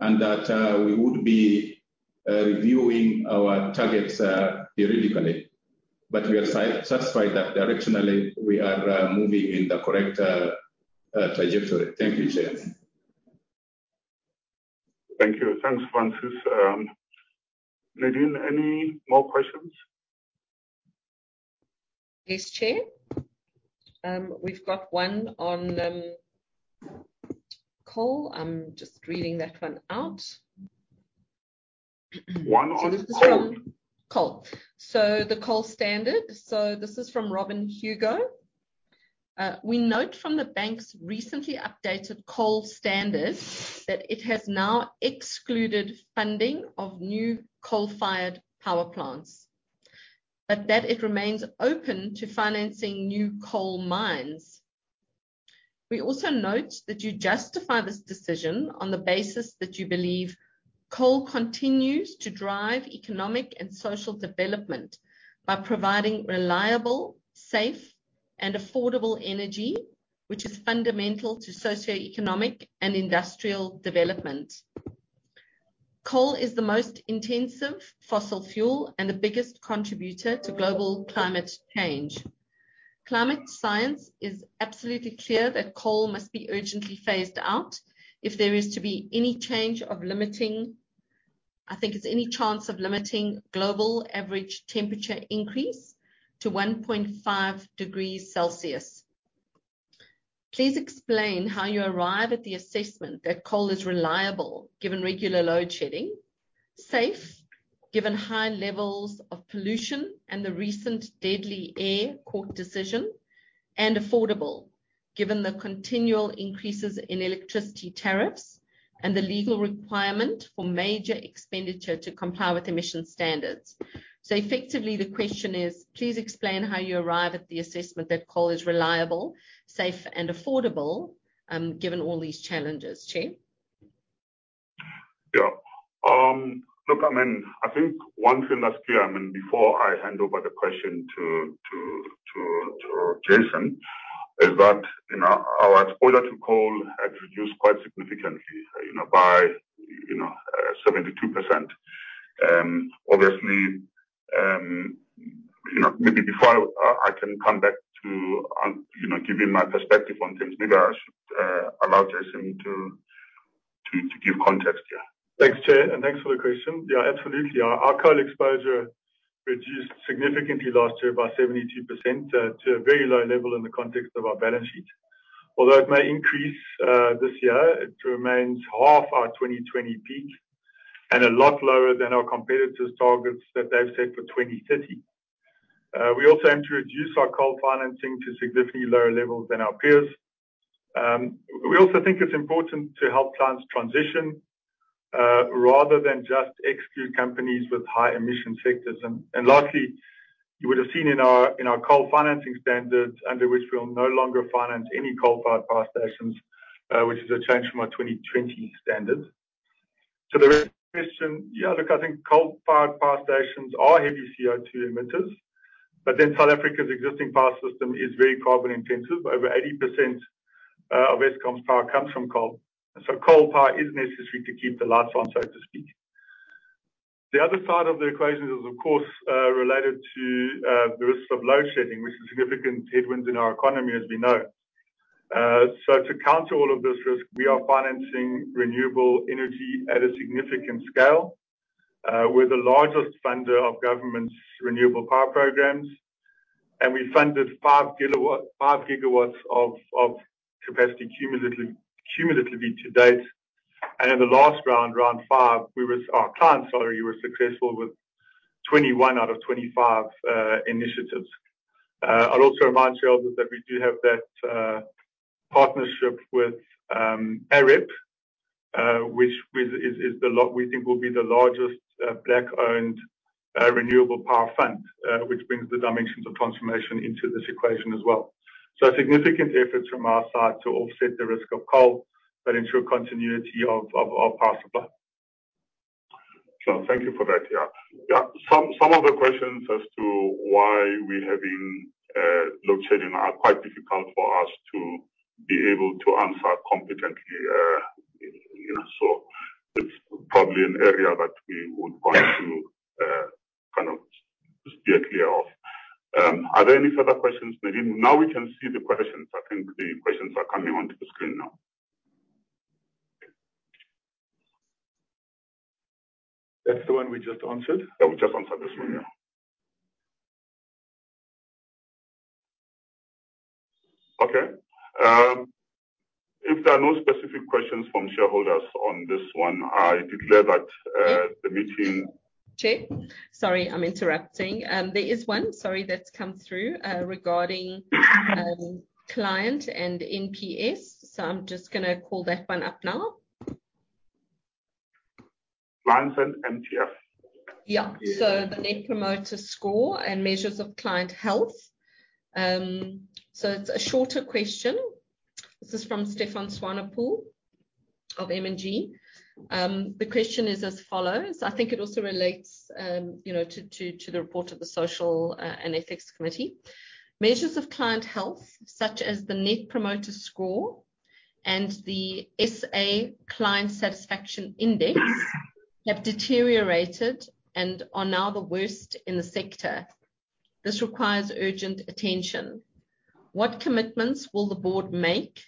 and that we would be reviewing our targets periodically. We are satisfied that directionally we are moving in the correct trajectory. Thank you, Chair. Thank you. Thanks, Francis. Nadine, any more questions? Yes, Chair. We've got one on coal. I'm just reading that one out. One on coal. Coal. The coal standard. This is from Robin Hugo. We note from the bank's recently updated coal standards that it has now excluded funding of new coal-fired power plants, but that it remains open to financing new coal mines. We also note that you justify this decision on the basis that you believe coal continues to drive economic and social development by providing reliable, safe, and affordable energy, which is fundamental to socioeconomic and industrial development. Coal is the most intensive fossil fuel and the biggest contributor to global climate change. Climate science is absolutely clear that coal must be urgently phased out if there is to be any chance of limiting global average temperature increase to 1.5 degrees Celsius. Please explain how you arrive at the assessment that coal is reliable, given regular load shedding, safe, given high levels of pollution and the recent deadly air court decision, and affordable, given the continual increases in electricity tariffs and the legal requirement for major expenditure to comply with emission standards. Effectively the question is: Please explain how you arrive at the assessment that coal is reliable, safe, and affordable, given all these challenges. Chair. Yeah. Look, I mean, I think one thing that's clear, I mean, before I hand over the question to Jason, is that, you know, our exposure to coal has reduced quite significantly, you know, by 72%. Obviously, you know, maybe before I can come back to, you know, giving my perspective on things, maybe I should allow Jason to give context. Yeah. Thanks, Chair, and thanks for the question. Yeah, absolutely. Our coal exposure reduced significantly last year by 72%, to a very low level in the context of our balance sheet. Although it may increase this year, it remains half our 2020 peak and a lot lower than our competitors' targets that they've set for 2030. We also aim to reduce our coal financing to significantly lower levels than our peers. We also think it's important to help clients transition rather than just exclude companies with high emission sectors. Lastly, you would have seen in our coal financing standards under which we'll no longer finance any coal-fired power stations, which is a change from our 2020 standards. To the rest of the question, yeah, look, I think coal-fired power stations are heavy CO2 emitters, but then South Africa's existing power system is very carbon intensive. Over 80% of Eskom's power comes from coal. Coal power is necessary to keep the lights on, so to speak. The other side of the equation is, of course, related to the risks of load shedding, which is a significant headwind in our economy, as we know. To counter all of this risk, we are financing renewable energy at a significant scale. We're the largest funder of government's renewable power programs, and we funded 5 GW of capacity cumulatively to date. In the last round 5, our clients already were successful with 21 out of 25 initiatives. I'll also remind shareholders that we do have that partnership with AREP, which we think will be the largest Black-owned renewable power fund, which brings the dimensions of transformation into this equation as well. Significant efforts from our side to offset the risk of coal but ensure continuity of power supply. Thank you for that. Yeah. Some of the questions as to why we have been load shedding are quite difficult for us to be able to answer competently. You know, it's probably an area that we would want to kind of steer clear of. Are there any further questions, Nadine? Now we can see the questions. I think the questions are coming onto the screen now. That's the one we just answered. Yeah, we just answered this one. Yeah. Okay. If there are no specific questions from shareholders on this one, I declare that the meeting- Chair, sorry, I'm interrupting. There is one, sorry, that's come through, regarding client and NPS. I'm just gonna call that one up now. Clients and NPS. Yeah. The net promoter score and measures of client health. It's a shorter question. This is from Stefan Swanepoel of M&G. The question is as follows. I think it also relates to the report of the social and ethics committee. Measures of client health such as the Net Promoter Score and the SA Client Satisfaction Index have deteriorated and are now the worst in the sector. This requires urgent attention. What commitments will the board make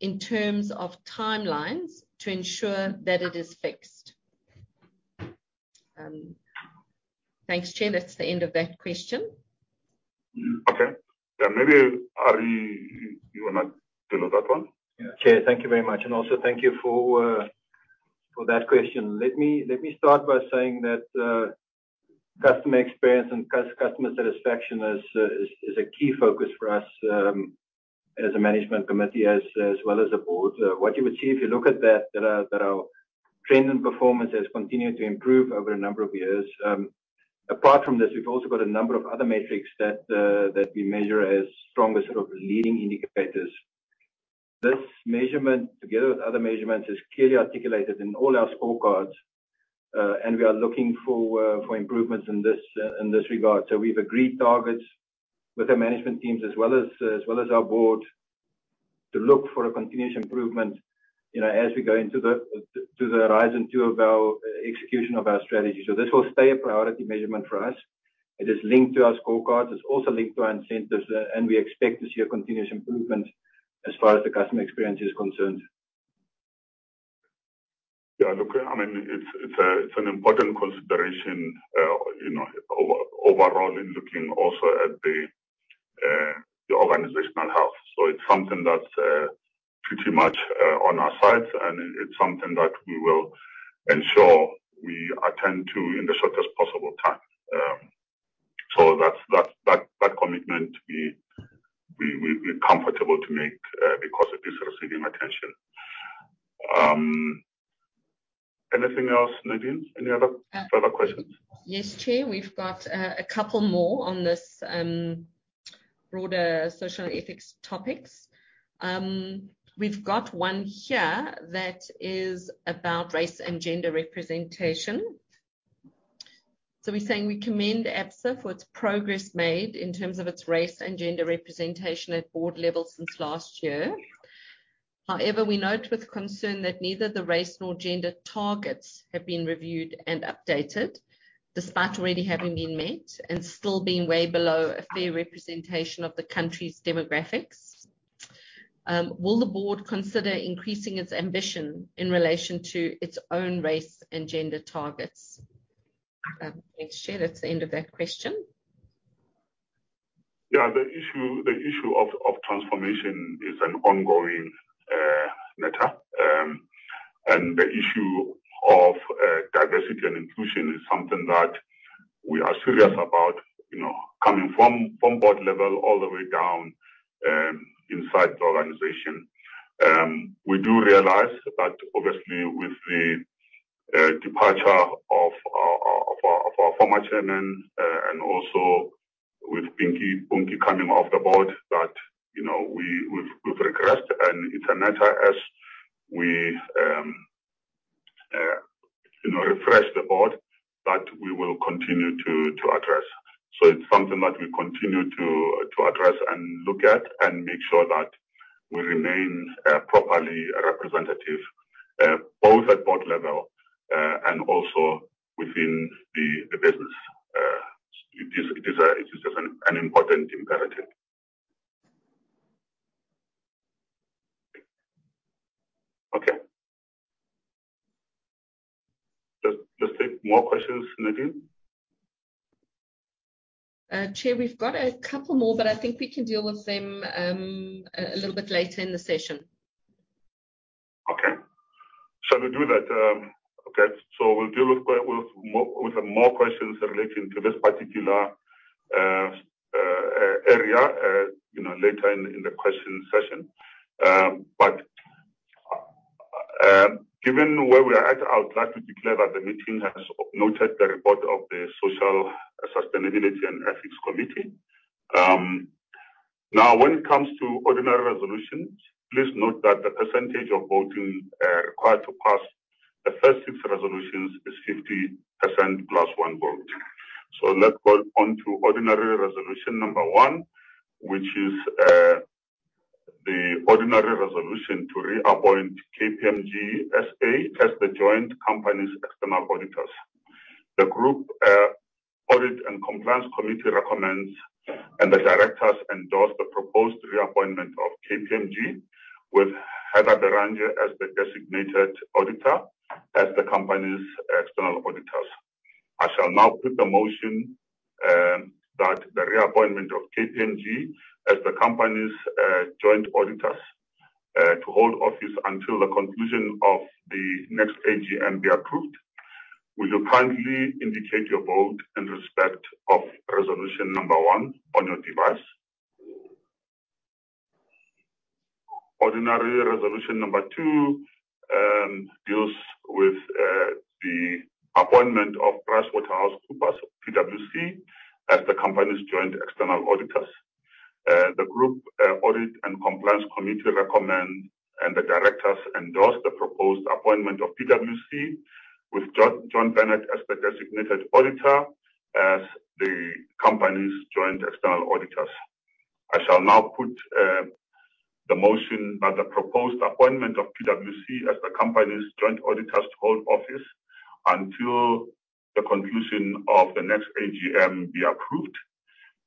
in terms of timelines to ensure that it is fixed? Thanks, Chair. That's the end of that question. Okay. Yeah. Maybe, Arrie, you wanna deal with that one? Chair, thank you very much, and also thank you for that question. Let me start by saying that customer experience and customer satisfaction is a key focus for us as a management committee as well as a board. What you would see if you look at that our trend and performance has continued to improve over a number of years. Apart from this, we've also got a number of other metrics that we measure as strong as sort of leading indicators. This measurement, together with other measurements, is clearly articulated in all our scorecards. We are looking for improvements in this regard. We've agreed targets with the management teams as well as our board to look for a continuous improvement, you know, as we go into the horizon two of our execution of our strategy. This will stay a priority measurement for us. It is linked to our scorecards. It's also linked to our incentives, and we expect to see a continuous improvement as far as the customer experience is concerned. Look, I mean, it's an important consideration, you know, overall in looking also at the organizational health. It's something that's pretty much on our minds, and it's something that we will ensure we attend to in the shortest possible time. That's the commitment we're comfortable to make because it is receiving attention. Anything else, Nadine? Any other further questions? Yes, Chair. We've got a couple more on this broader social ethics topics. We've got one here that is about race and gender representation. We're saying we commend Absa for its progress made in terms of its race and gender representation at board level since last year. However, we note with concern that neither the race nor gender targets have been reviewed and updated despite already having been met and still being way below a fair representation of the country's demographics. Will the board consider increasing its ambition in relation to its own race and gender targets? Thanks, Chair. That's the end of that question. The issue of transformation is an ongoing matter. The issue of diversity and inclusion is something that we are serious about, you know, coming from board level all the way down inside the organization. We do realize that obviously with the departure of our former chairman, and also with Punki coming off the board that, you know, we've regressed, and it's a matter as we, you know, refresh the board that we will continue to address. It's something that we continue to address and look at and make sure that we remain properly representative both at board level and also within the business. It is just an important imperative. Okay. Let's take more questions, Nadine. Chair, we've got a couple more, but I think we can deal with them a little bit later in the session. We'll do that. Okay, we'll deal with more questions relating to this particular area, you know, later in the question session. Given where we are at, I would like to declare that the meeting has noted the report of the Social Sustainability and Ethics Committee. Now, when it comes to ordinary resolutions, please note that the percentage of voting required to pass the first six resolutions is 50% plus one vote. Let's go onto ordinary resolution number one, which is the ordinary resolution to reappoint KPMG SA as the joint company's external auditors. The group audit and compliance committee recommends, and the directors endorse the proposed reappointment of KPMG with Heather Berrange as the designated auditor as the company's external auditors. I shall now put the motion that the reappointment of KPMG as the company's joint auditors to hold office until the conclusion of the next AGM be approved. Will you kindly indicate your vote in respect of resolution number one on your device. Ordinary resolution number two deals with the appointment of PricewaterhouseCoopers, PwC, as the company's joint external auditors. The group audit and compliance committee recommend, and the directors endorse the proposed appointment of PwC with John Bennett as the designated auditor as the company's joint external auditors. I shall now put the motion that the proposed appointment of PwC as the company's joint auditors to hold office until the conclusion of the next AGM be approved.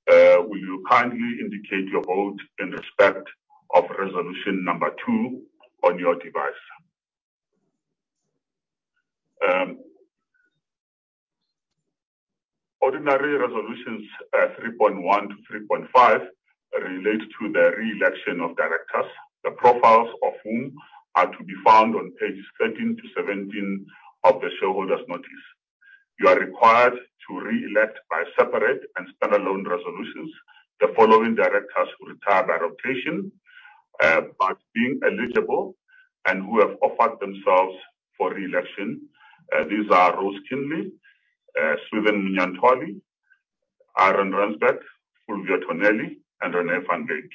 Will you kindly indicate your vote in respect of resolution number two on your device. Ordinary resolutions, 3.1 to 3.5 relate to the re-election of directors, the profiles of whom are to be found on pages 13 to 17 of the shareholders' notice. You are required to re-elect by separate and standalone resolutions the following directors who retire by rotation, but being eligible and who have offered themselves for re-election. These are Rose Keanly, Swithin Munyantwali, Arrie Rautenbach, Fulvio Tonelli and René van Wyk.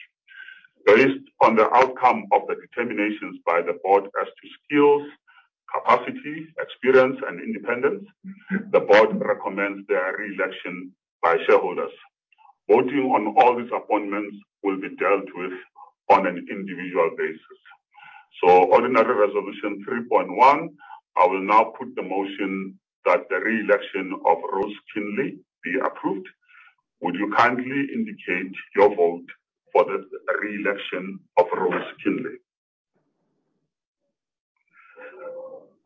Based on the outcome of the determinations by the board as to skills, capacity, experience and independence, the board recommends their re-election by shareholders. Voting on all these appointments will be dealt with on an individual basis. Ordinary resolution 3.1, I will now put the motion that the re-election of Rose Keanly be approved. Would you kindly indicate your vote for the re-election of Rose Keanly.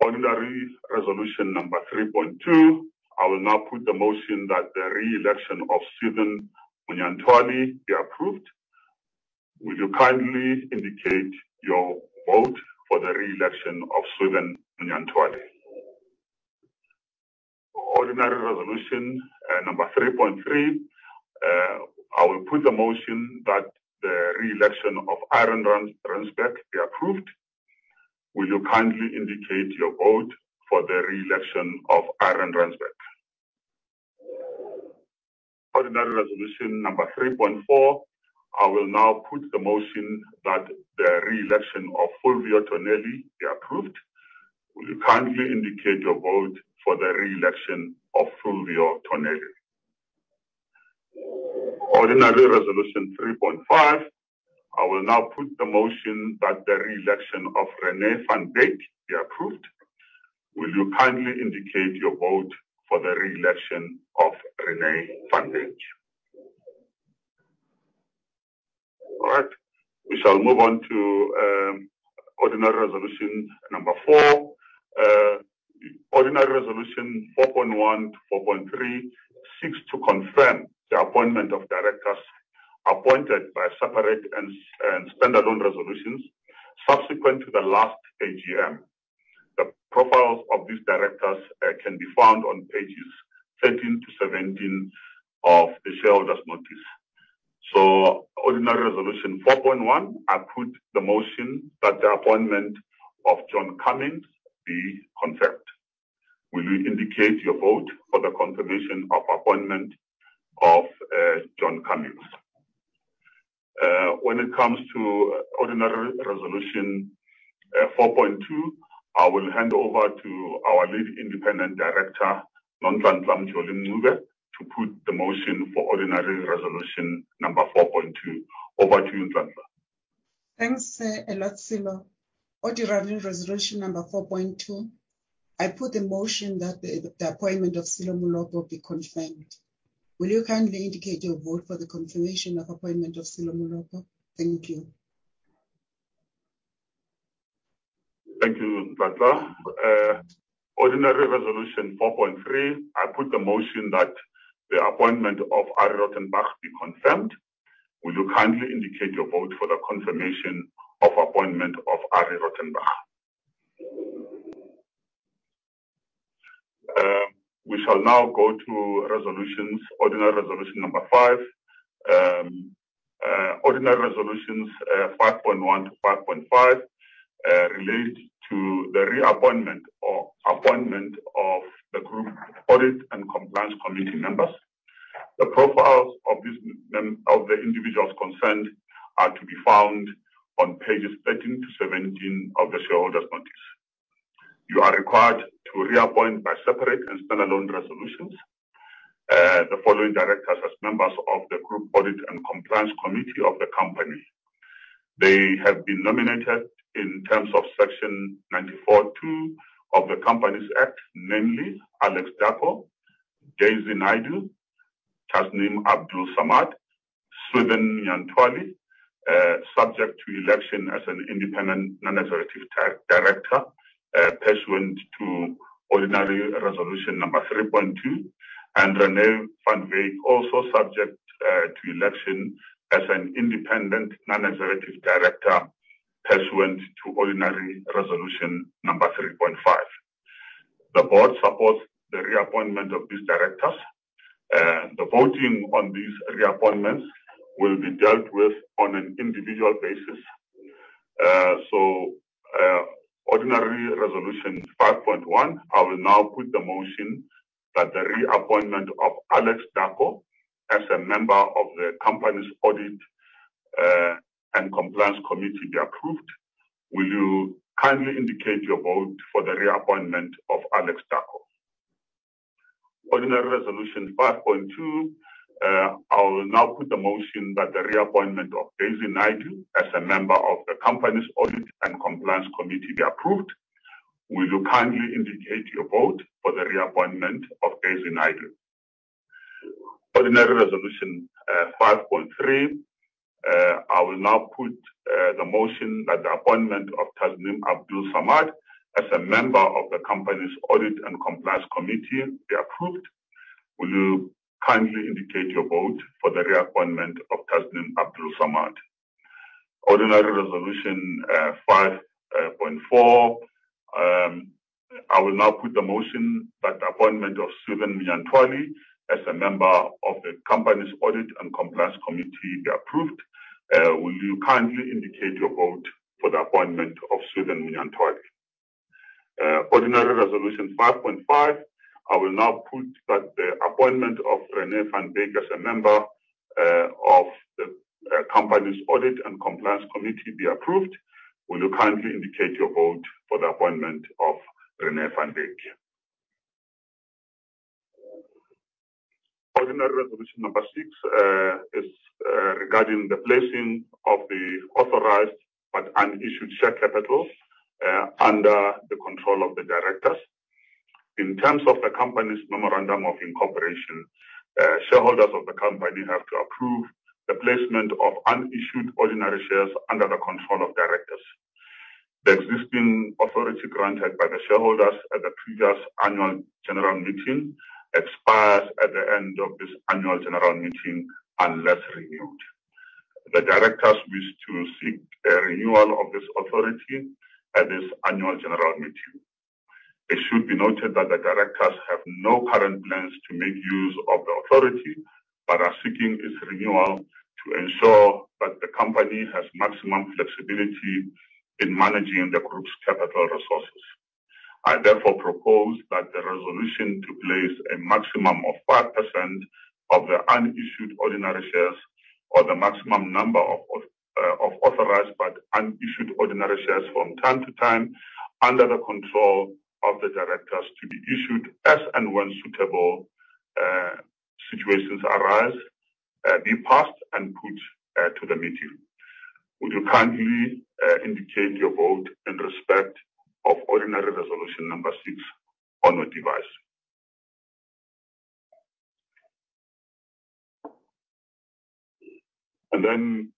Ordinary resolution number 3.2. I will now put the motion that the re-election of Swithin Munyantwali be approved. Will you kindly indicate your vote for the re-election of Swithin Munyantwali. Ordinary resolution number 3.3. I will put the motion that the re-election of Arrie Rautenbach be approved. Will you kindly indicate your vote for the re-election of Arrie Rautenbach. Ordinary resolution number 3.4. I will now put the motion that the re-election of Fulvio Tonelli be approved. Will you kindly indicate your vote for the re-election of Fulvio Tonelli. Ordinary resolution number 3.5. I will now put the motion that the re-election of René van Wyk be approved. Will you kindly indicate your vote for the re-election of René van Wyk. All right. We shall move on to ordinary resolution number four. Ordinary resolution 4.1 to 4.3 seeks to confirm the appointment of directors appointed by separate and standalone resolutions subsequent to the last AGM. The profiles of these directors can be found on pages 13 to 17 of the shareholders' notice. Ordinary resolution 4.1, I put the motion that the appointment of John Cummins be confirmed. Will you indicate your vote for the confirmation of appointment of John Cummins. When it comes to ordinary resolution 4.2, I will hand over to our Lead Independent Director, Nhlanhla Mjoli-Mncube, to put the motion for ordinary resolution number 4.2. Over to you, Nhlanhla. Thanks, a lot, Sello Moloko. Ordinary resolution number 4.2, I put the motion that the appointment of Sipho Pityana be confirmed. Will you kindly indicate your vote for the confirmation of appointment of Sipho Pityana? Thank you. Thank you, Nhlanhla. Ordinary Resolution 4.3, I put the motion that the appointment of Arrie Rautenbach be confirmed. Will you kindly indicate your vote for the confirmation of appointment of Arrie Rautenbach. We shall now go to resolutions. Ordinary Resolution number five. Ordinary Resolutions 5.1-5.5 relate to the reappointment or appointment of the Group Audit and Compliance Committee members. The profiles of these members of the individuals concerned are to be found on pages 13-17 of the shareholders' notice. You are required to reappoint by separate and standalone resolutions, the following directors as members of the Group Audit and Compliance Committee of the company. They have been nominated in terms of Section 94(2) of the Companies Act, namely Alex Darko, Daisy Naidoo, Tasneem Abdool-Samad, Swithin Munyantwali, subject to election as an independent non-executive director pursuant to Ordinary Resolution number 3.2, and René van Wyk also subject to election as an independent non-executive director pursuant to Ordinary Resolution number 3.5. The board supports the reappointment of these directors. The voting on these reappointments will be dealt with on an individual basis. Ordinary Resolution 5.1, I will now put the motion that the reappointment of Alex Darko as a member of the company's Audit and Compliance Committee be approved. Will you kindly indicate your vote for the reappointment of Alex Darko? Ordinary Resolution 5.2, I will now put the motion that the reappointment of Daisy Naidoo as a member of the company's Audit and Compliance Committee be approved. Will you kindly indicate your vote for the reappointment of Daisy Naidoo? Ordinary Resolution 5.3, I will now put the motion that the appointment of Tasneem Abdool-Samad as a member of the company's Audit and Compliance Committee be approved. Will you kindly indicate your vote for the reappointment of Tasneem Abdool-Samad? Ordinary Resolution 5.4, I will now put the motion that the appointment of Swithin Munyantwali as a member of the company's Audit and Compliance Committee be approved. Will you kindly indicate your vote for the appointment of Swithin Munyantwali? Ordinary Resolution 5.5, I will now put that the appointment of René van Wyk as a member of the company's Audit and Compliance Committee be approved. Will you kindly indicate your vote for the appointment of René van Wyk? Ordinary Resolution number six is regarding the placing of the authorized but unissued share capital under the control of the directors. In terms of the company's memorandum of incorporation, shareholders of the company have to approve the placement of unissued ordinary shares under the control of directors. The existing authority granted by the shareholders at the previous annual general meeting expires at the end of this annual general meeting unless renewed. The directors wish to seek a renewal of this authority at this annual general meeting. It should be noted that the directors have no current plans to make use of the authority, but are seeking its renewal to ensure that the company has maximum flexibility in managing the group's capital resources. I therefore propose that the resolution to place a maximum of 5% of the unissued ordinary shares or the maximum number of authorized but unissued ordinary shares from time to time under the control of the directors to be issued as and when suitable situations arise be passed and put to the meeting. Would you kindly indicate your vote in respect of Ordinary Resolution number six on your device. Then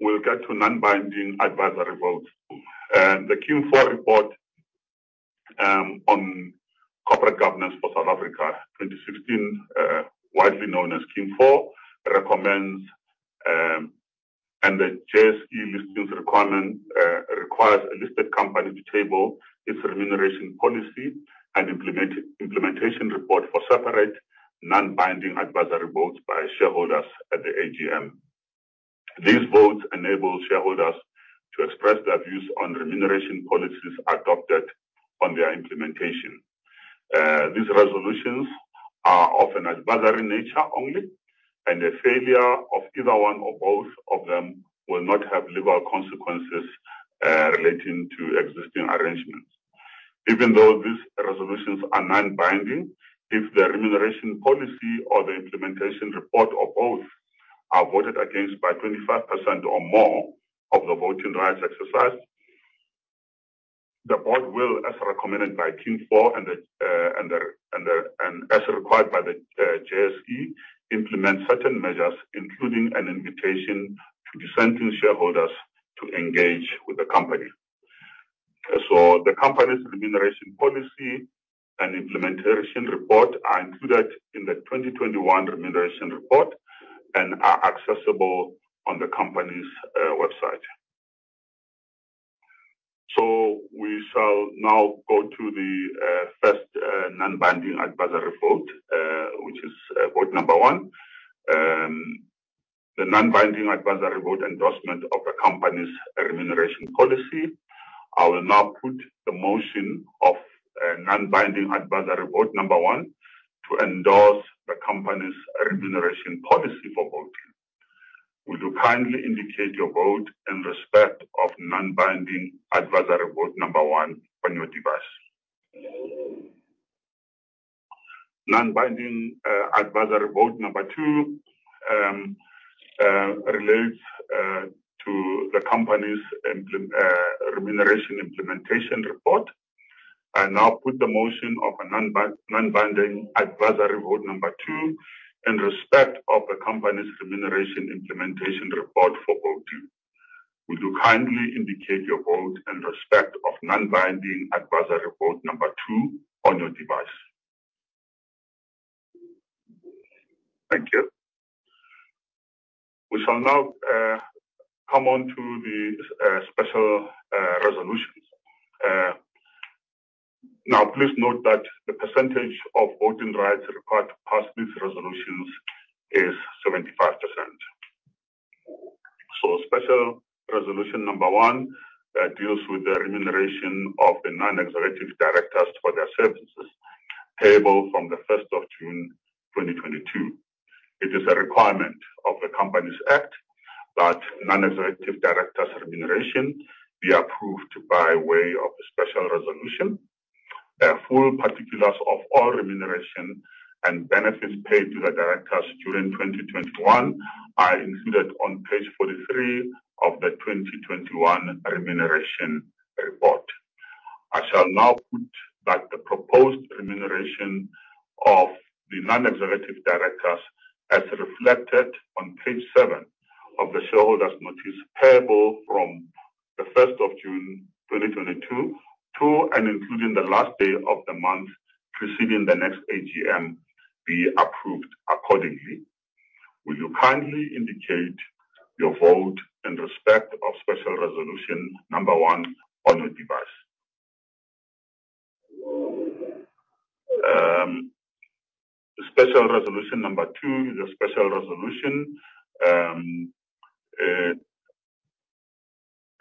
we'll get to non-binding advisory votes. The King IV Report on Corporate Governance for South Africa 2016, widely known as King IV, recommends, and the JSE Listings Requirements requires a listed company to table its remuneration policy and implementation report for separate non-binding advisory votes by shareholders at the AGM. These votes enable shareholders to express their views on remuneration policies adopted on their implementation. These resolutions are of an advisory nature only, and the failure of either one or both of them will not have legal consequences relating to existing arrangements. Even though these resolutions are non-binding, if the remuneration policy or the implementation report or both are voted against by 25% or more of the voting rights exercised, the board will, as recommended by King IV and as required by the JSE, implement certain measures, including an invitation to dissenting shareholders to engage with the company. The company's remuneration policy and implementation report are included in the 2021 remuneration report and are accessible on the company's website. We shall now go to the first non-binding advisory vote, which is vote number one. The non-binding advisory vote endorsement of the company's remuneration policy. I will now put the motion of a non-binding advisory vote number one to endorse the company's remuneration policy for voting. Would you kindly indicate your vote in respect of non-binding advisory vote number one on your device. Non-binding advisory vote number two relates to the company's remuneration implementation report. I now put the motion of a non-binding advisory vote number two in respect of the company's remuneration implementation report for voting. Would you kindly indicate your vote in respect of non-binding advisory vote number two on your device. Thank you. We shall now come on to the special resolutions. Now please note that the percentage of voting rights required to pass these resolutions is 75%. Special resolution number one deals with the remuneration of the non-executive directors for their services payable from the first of June 2022. It is a requirement of the Companies Act that non-executive directors' remuneration be approved by way of a special resolution. Full particulars of all remuneration and benefits paid to the directors during 2021 are included on page 43 of the 2021 remuneration report. I shall now put that the proposed remuneration of the non-executive directors, as reflected on page 7 of the shareholders' notice payable from the first of June 2022 to and including the last day of the month preceding the next AGM, be approved accordingly. Will you kindly indicate your vote in respect of special resolution number one on your device? Special resolution number two is a special resolution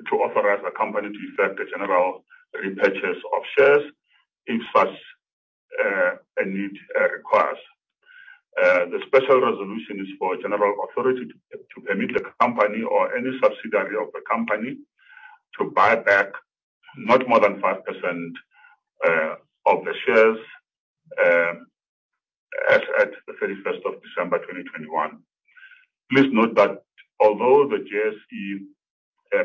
to authorize the company to effect a general repurchase of shares if such a need requires. The special resolution is for a general authority to permit the company or any subsidiary of the company to buy back not more than 5% of the shares as at the 31st of December 2021. Please note that although the JSE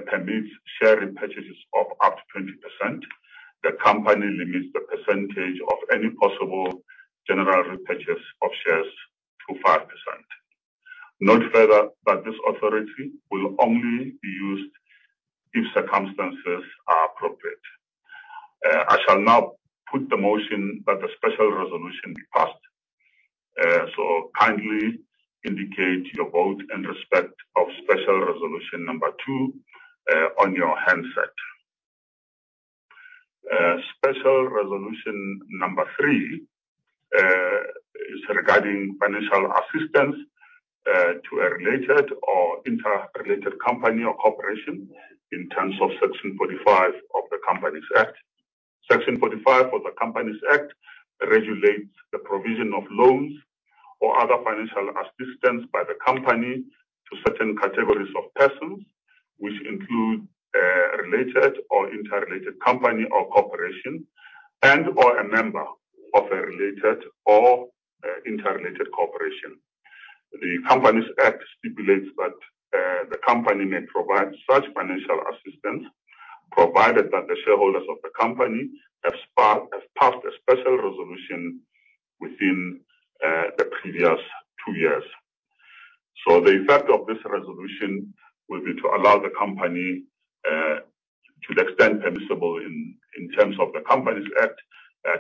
permits share repurchases of up to 20%, the company limits the percentage of any possible general repurchase of shares to 5%. Note further that this authority will only be used if circumstances are appropriate. I shall now put the motion that the special resolution be passed. Kindly indicate your vote in respect of special resolution number two on your handset. Special resolution number three is regarding financial assistance to a related or interrelated company or corporation in terms of Section 45 of the Companies Act. Section 45 of the Companies Act regulates the provision of loans or other financial assistance by the company to certain categories of persons, which include a related or interrelated company or corporation and/or a member of a related or interrelated corporation. The Companies Act stipulates that the company may provide such financial assistance provided that the shareholders of the company have passed a special resolution within the previous 2 years. The effect of this resolution will be to allow the company to the extent permissible in terms of the Companies Act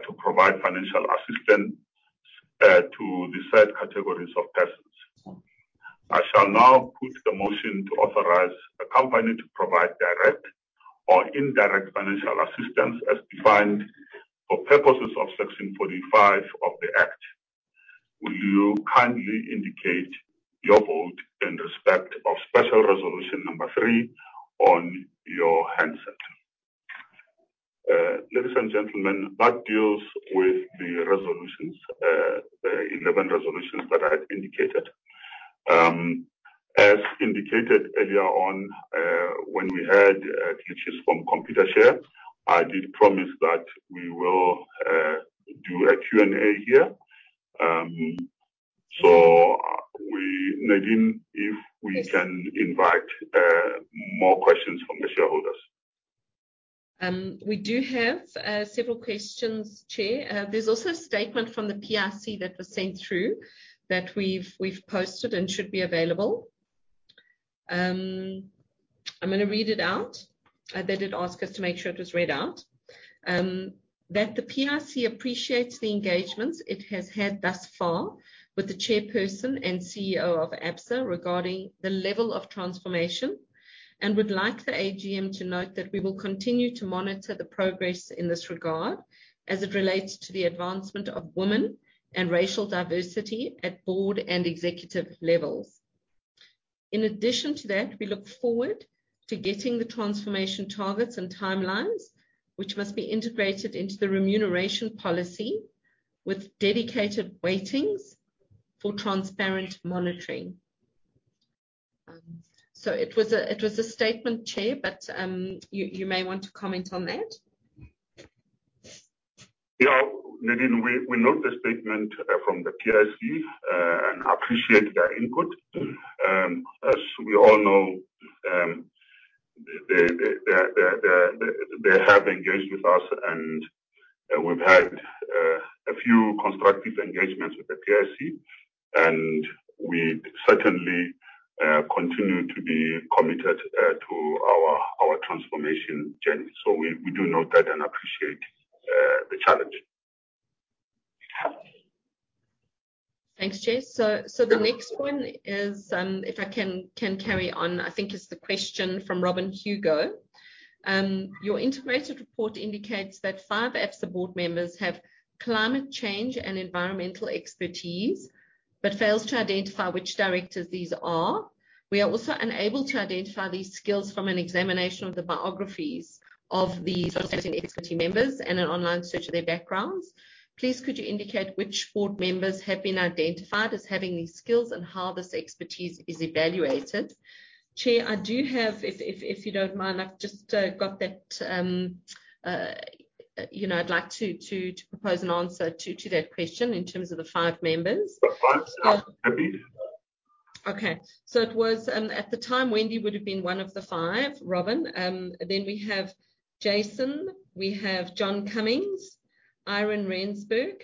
to provide financial assistance to the said categories of persons. I shall now put the motion to authorize the company to provide direct or indirect financial assistance as defined for purposes of Section 45 of the Act. Will you kindly indicate your vote in respect of special resolution number three on your handset. Ladies and gentlemen, that deals with the resolutions, the 11 resolutions that I had indicated. As indicated earlier on, when we had pitches from Computershare, I did promise that we will do a Q&A here. Nadine, if we can invite more questions from the shareholders. We do have several questions, Chair. There's also a statement from the PIC that was sent through that we've posted and should be available. I'm gonna read it out. They did ask us to make sure it was read out. The PIC appreciates the engagements it has had thus far with the chairperson and CEO of Absa regarding the level of transformation, and would like the AGM to note that we will continue to monitor the progress in this regard as it relates to the advancement of women and racial diversity at board and executive levels. In addition to that, we look forward to getting the transformation targets and timelines, which must be integrated into the remuneration policy with dedicated weightings for transparent monitoring. It was a statement, Chair, but you may want to comment on that. Yeah. Nadine, we note the statement from the PIC and appreciate their input. As we all know, they have engaged with us and we've had a few constructive engagements with the PIC. We certainly continue to be committed to our transformation journey. We do note that and appreciate the challenge. Thanks, Chair. The next one is, if I can carry on, I think it's the question from Robin Hugo. Your integrated report indicates that five Absa board members have climate change and environmental expertise but fails to identify which directors these are. We are also unable to identify these skills from an examination of the biographies of these expert members and an online search of their backgrounds. Please could you indicate which board members have been identified as having these skills and how this expertise is evaluated. Chair, I do have. If you don't mind, I've just got that, you know, I'd like to propose an answer to that question in terms of the five members. The five staff, maybe. Okay. It was, at the time, Wendy would've been one of the five, Robin. We have Jason, we have John Cummins, Ihron Rensburg,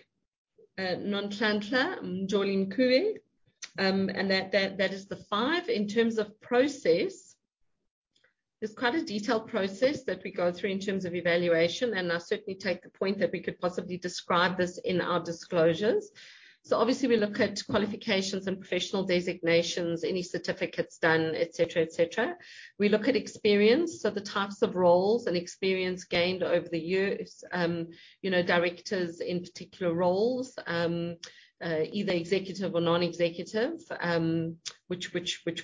Nhlanhla Mjoli-Mncube, and that is the five. In terms of process, there's quite a detailed process that we go through in terms of evaluation, and I certainly take the point that we could possibly describe this in our disclosures. Obviously we look at qualifications and professional designations, any certificates done, et cetera, et cetera. We look at experience, so the types of roles and experience gained over the years. You know, directors in particular roles, either executive or non-executive, which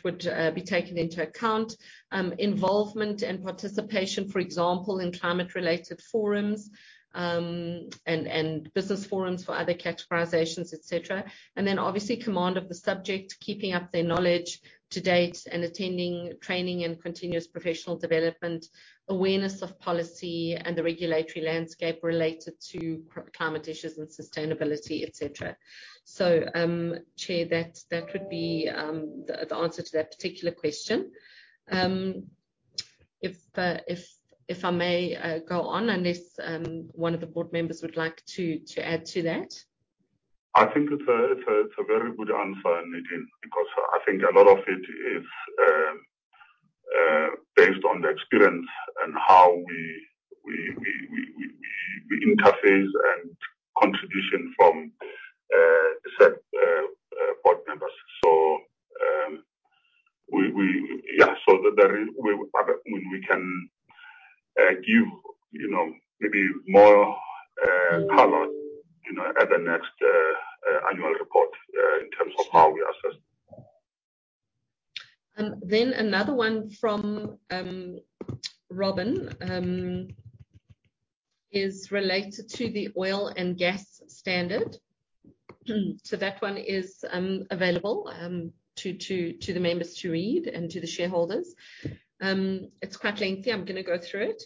would be taken into account. Involvement and participation, for example, in climate-related forums, and business forums for other categorizations, et cetera. Obviously command of the subject, keeping up their knowledge to date, and attending training and continuous professional development, awareness of policy and the regulatory landscape related to climate issues and sustainability, et cetera. Chair, that would be the answer to that particular question. If I may go on, unless one of the board members would like to add to that. I think it's a very good answer, Nadine, because I think a lot of it is based on the experience and how we interface and contribution from the said board members. We can give you know, maybe more color you know, at the next annual report in terms of how we assess. Another one from Robin Hugo is related to the oil and gas standard. That one is available to the members to read and to the shareholders. It's quite lengthy. I'm gonna go through it.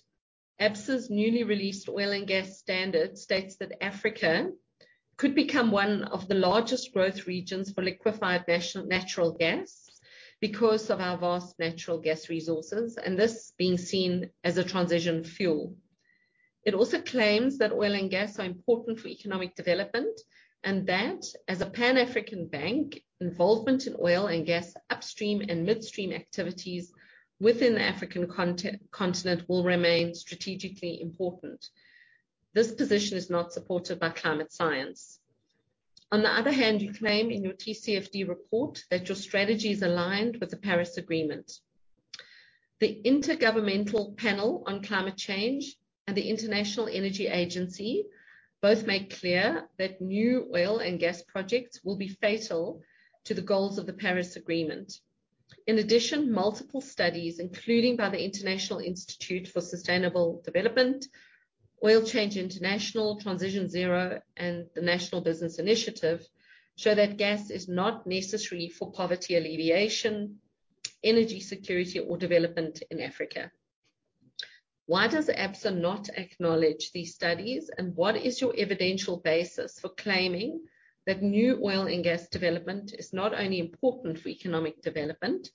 Absa's newly released oil and gas standard states that Africa could become one of the largest growth regions for liquefied natural gas because of our vast natural gas resources, and this being seen as a transition fuel. It also claims that oil and gas are important for economic development, and that as a pan-African bank, involvement in oil and gas upstream and midstream activities within the African continent will remain strategically important. This position is not supported by climate science. On the other hand, you claim in your TCFD report that your strategy is aligned with the Paris Agreement. The Intergovernmental Panel on Climate Change and the International Energy Agency both make clear that new oil and gas projects will be fatal to the goals of the Paris Agreement. Multiple studies, including by the International Institute for Sustainable Development, Oil Change International, TransitionZero and the National Business Initiative, show that gas is not necessary for poverty alleviation, energy security or development in Africa. Why does Absa not acknowledge these studies, and what is your evidential basis for claiming that new oil and gas development is not only important for economic development,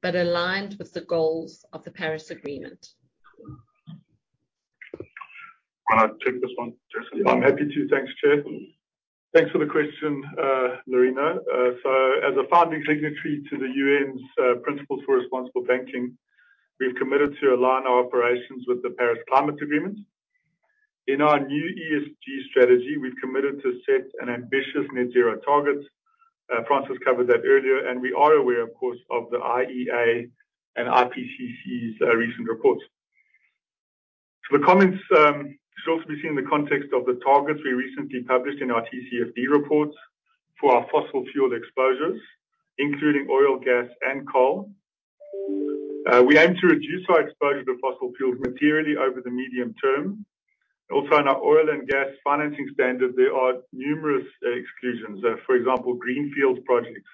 but aligned with the goals of the Paris Agreement? Why don't you take this one, Jason? I'm happy to. Thanks, Chair. Thanks for the question, Larina. As a founding signatory to the UN's Principles for Responsible Banking, we've committed to align our operations with the Paris Agreement. In our new ESG strategy, we've committed to set an ambitious net zero target. Francis covered that earlier. We are aware, of course, of the IEA and IPCC's recent reports. The comments should also be seen in the context of the targets we recently published in our TCFD reports for our fossil fuel exposures, including oil, gas, and coal. We aim to reduce our exposure to fossil fuels materially over the medium term. Also, in our oil and gas financing standard, there are numerous exclusions. For example, greenfield projects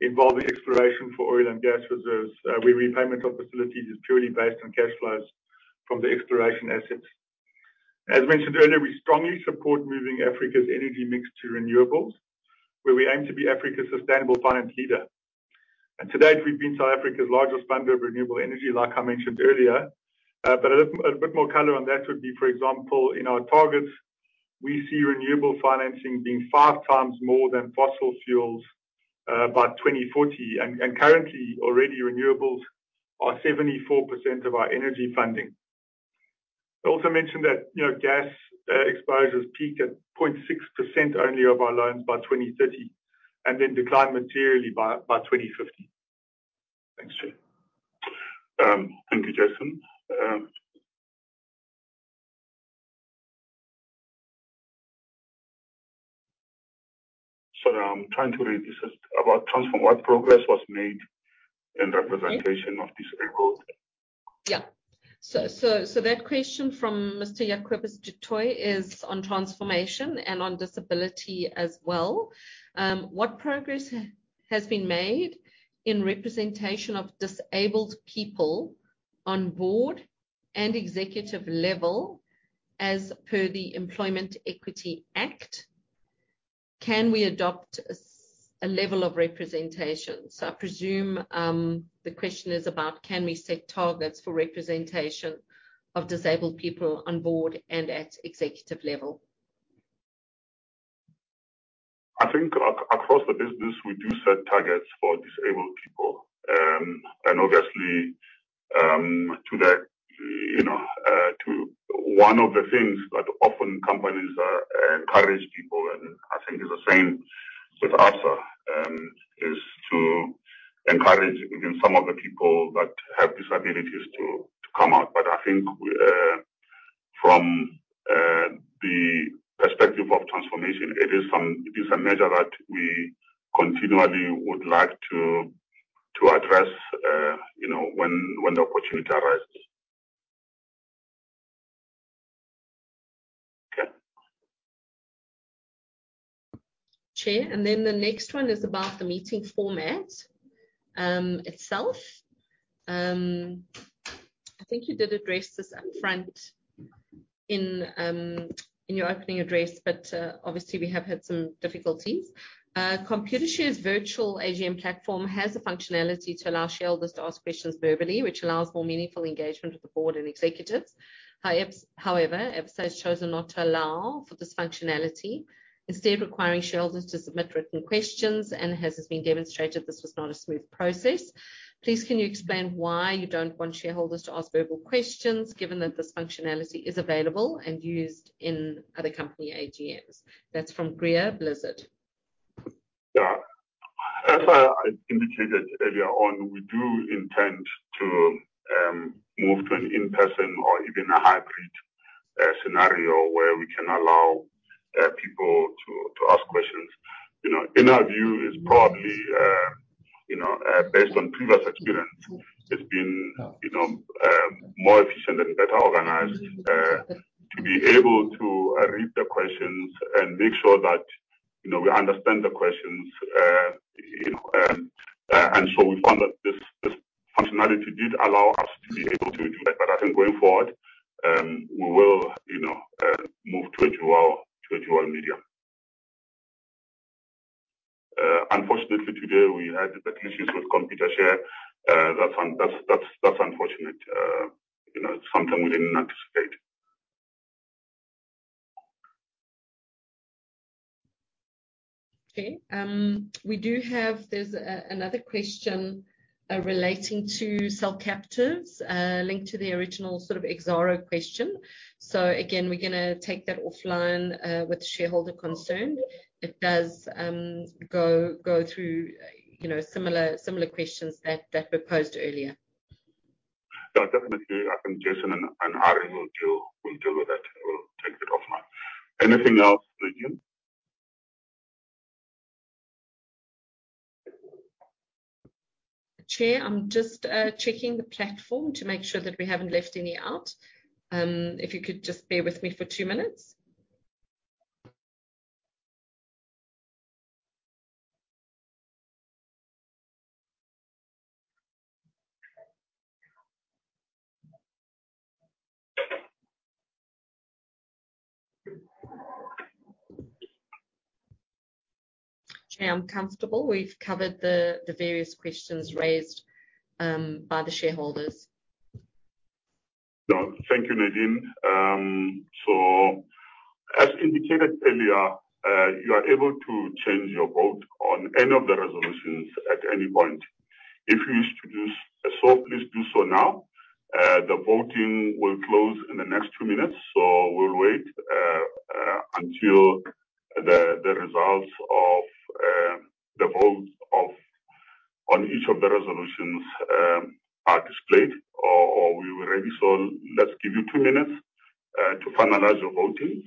involving exploration for oil and gas reserves, where repayment of facilities is purely based on cash flows from the exploration assets. As mentioned earlier, we strongly support moving Africa's energy mix to renewables, where we aim to be Africa's sustainable finance leader. To date, we've been South Africa's largest funder of renewable energy, like I mentioned earlier. A bit more color on that would be, for example, in our targets, we see renewable financing being five times more than fossil fuels by 2040. Currently, already renewables are 74% of our energy funding. I also mentioned that, you know, gas exposures peak at 0.6% only of our loans by 2030 and then decline materially by 2050. Thanks, Chair. Thank you, Jason. Sorry, I'm trying to read. This is about transformation. What progress was made in representation of disabled? That question from Mr. Jacobus Du Toit is on transformation and on disability as well. What progress has been made in representation of disabled people on board and executive level as per the Employment Equity Act? Can we adopt a level of representation? I presume the question is about can we set targets for representation of disabled people on board and at executive level. I think across the business we do set targets for disabled people. One of the things that often companies encourage people, and I think it's the same with Absa, is to encourage even some of the people that have disabilities to come out. I think we from the perspective of transformation, it is a measure that we continually would like to address, you know, when the opportunity arises. Yeah. Chair, then the next one is about the meeting format itself. I think you did address this up front in your opening address, but obviously we have had some difficulties. "Computershare's virtual AGM platform has the functionality to allow shareholders to ask questions verbally, which allows more meaningful engagement with the board and executives. However, Absa has chosen not to allow for this functionality, instead requiring shareholders to submit written questions. As has been demonstrated, this was not a smooth process. Please, can you explain why you don't want shareholders to ask verbal questions given that this functionality is available and used in other company AGMs?" That's from Greer Blizzard. Yeah. As I indicated earlier on, we do intend to move to an in-person or even a hybrid scenario where we can allow people to ask questions. You know, in our view, it's probably based on previous experience, it's been more efficient and better organized to be able to read the questions and make sure that, you know, we understand the questions. You know, we found that this functionality did allow us to be able to do that. I think going forward, we will move to a dual medium. Unfortunately, today we had the tech issues with Computershare. That's unfortunate. You know, it's something we didn't anticipate. Okay. We do have another question relating to cell captives linked to the original sort of Exxaro question. Again, we're gonna take that offline with the shareholder concerned. It does go through, you know, similar questions that were posed earlier. Yeah, definitely. I think Jason and Harry will deal with that. We'll take that offline. Anything else, Nadine? Chair, I'm just checking the platform to make sure that we haven't left any out. If you could just bear with me for two minutes. Chair, I'm comfortable we've covered the various questions raised by the shareholders. No, thank you, Nadine. As indicated earlier, you are able to change your vote on any of the resolutions at any point. If you wish to do so, please do so now. The voting will close in the next two minutes. We'll wait until the results of the votes on each of the resolutions are displayed or we're ready. Let's give you two minutes to finalize your voting.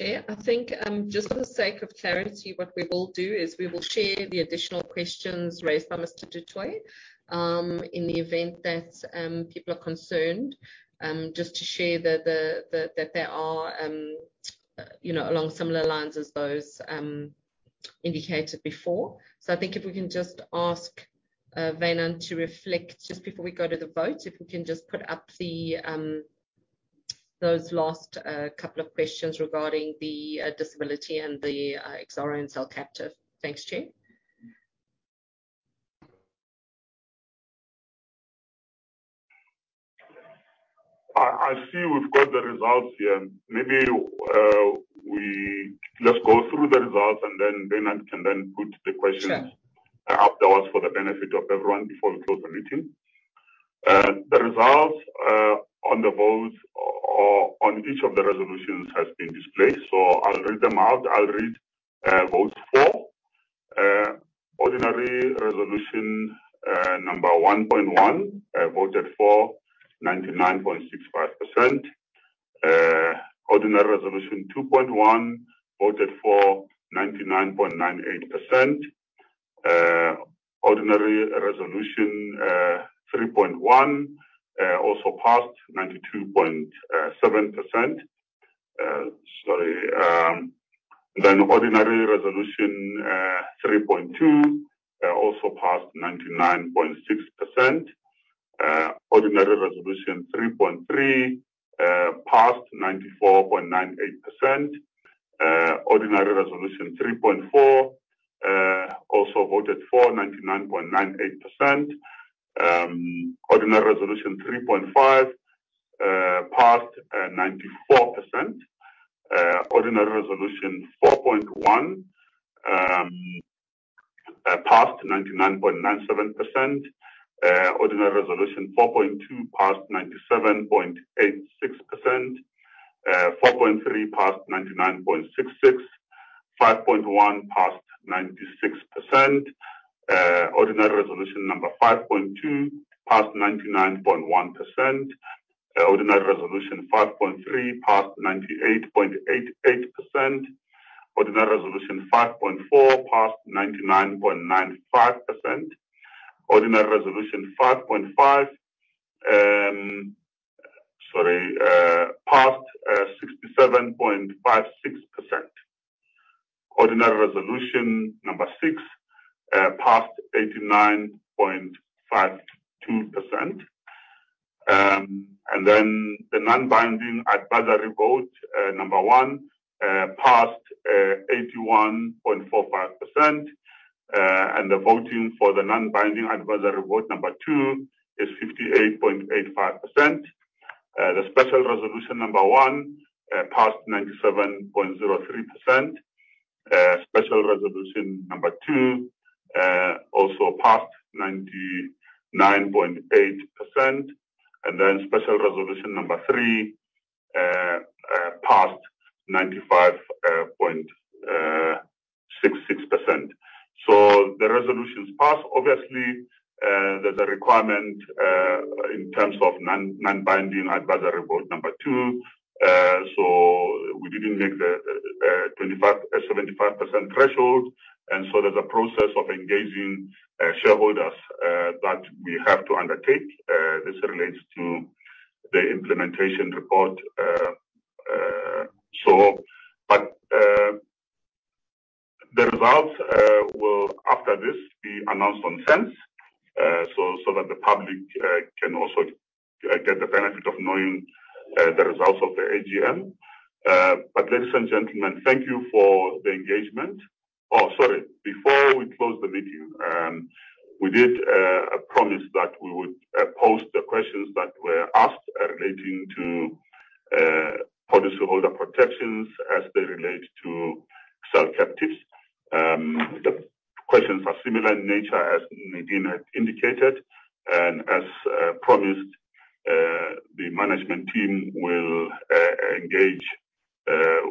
Chair, I think just for the sake of clarity, what we will do is we will share the additional questions raised by Mr. Du Toit, in the event that people are concerned, just to share that there are, you know, along similar lines as those indicated before. I think if we can just ask Venan to reflect just before we go to the vote, if we can just put up those last couple of questions regarding the disability and the Exxaro and cell captive. Thanks, Chair. I see we've got the results here. Maybe, we just go through the results and then Venan can put the questions. Sure. Wrap up afterwards for the benefit of everyone before we close the meeting. The results on the votes or on each of the resolutions has been displayed. I'll read them out. I'll read vote four. Ordinary resolution number 1.1 voted for 99.65%. Ordinary resolution 2.1 voted for 99.98%. Ordinary resolution 3.1 also passed 92.7%. Ordinary resolution 3.2 also passed 99.6%. Ordinary resolution 3.3 passed 94.98%. Ordinary resolution 3.4 also voted for 99.98%. Ordinary resolution 3.5 passed 94%. Ordinary resolution 4.1 passed 99.97%. Ordinary resolution 4.2 passed 97.86%. 4.3 passed 99.66%. 5.1 passed 96%. Ordinary resolution number 5.2 passed 99.1%. Ordinary resolution 5.3 passed 98.88%. Ordinary resolution 5.4 passed 99.95%. Ordinary resolution 5.5 passed 67.56%. Ordinary resolution number six passed 89.52%. The non-binding advisory vote number one passed 81.45%. The voting for the non-binding advisory vote number two is 58.85%. The special resolution number one passed 97.03%. Special resolution number two also passed 99.8%. Then special resolution number three passed 95.66%. The resolutions pass, obviously. There's a requirement in terms of non-binding advisory vote number two. We didn't make the 75% threshold, and there's a process of engaging shareholders that we have to undertake. This relates to the implementation report. The results will, after this, be announced on SENS, so that the public can also get the benefit of knowing the results of the AGM. Ladies and gentlemen, thank you for the engagement. Oh, sorry. Before we close the meeting, we did promise that we would post the questions that were asked relating to policyholder protections as they relate to cell captives. The questions are similar in nature, as Nadine had indicated. As promised, the management team will engage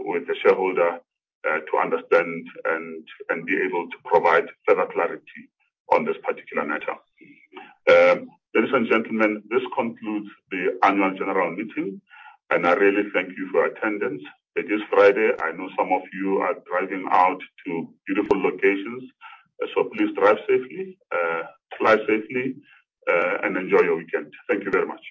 with the shareholder to understand and be able to provide further clarity on this particular matter. Ladies and gentlemen, this concludes the Annual General Meeting, and I really thank you for your attendance. It is Friday. I know some of you are driving out to beautiful locations. Please drive safely, fly safely, and enjoy your weekend. Thank you very much.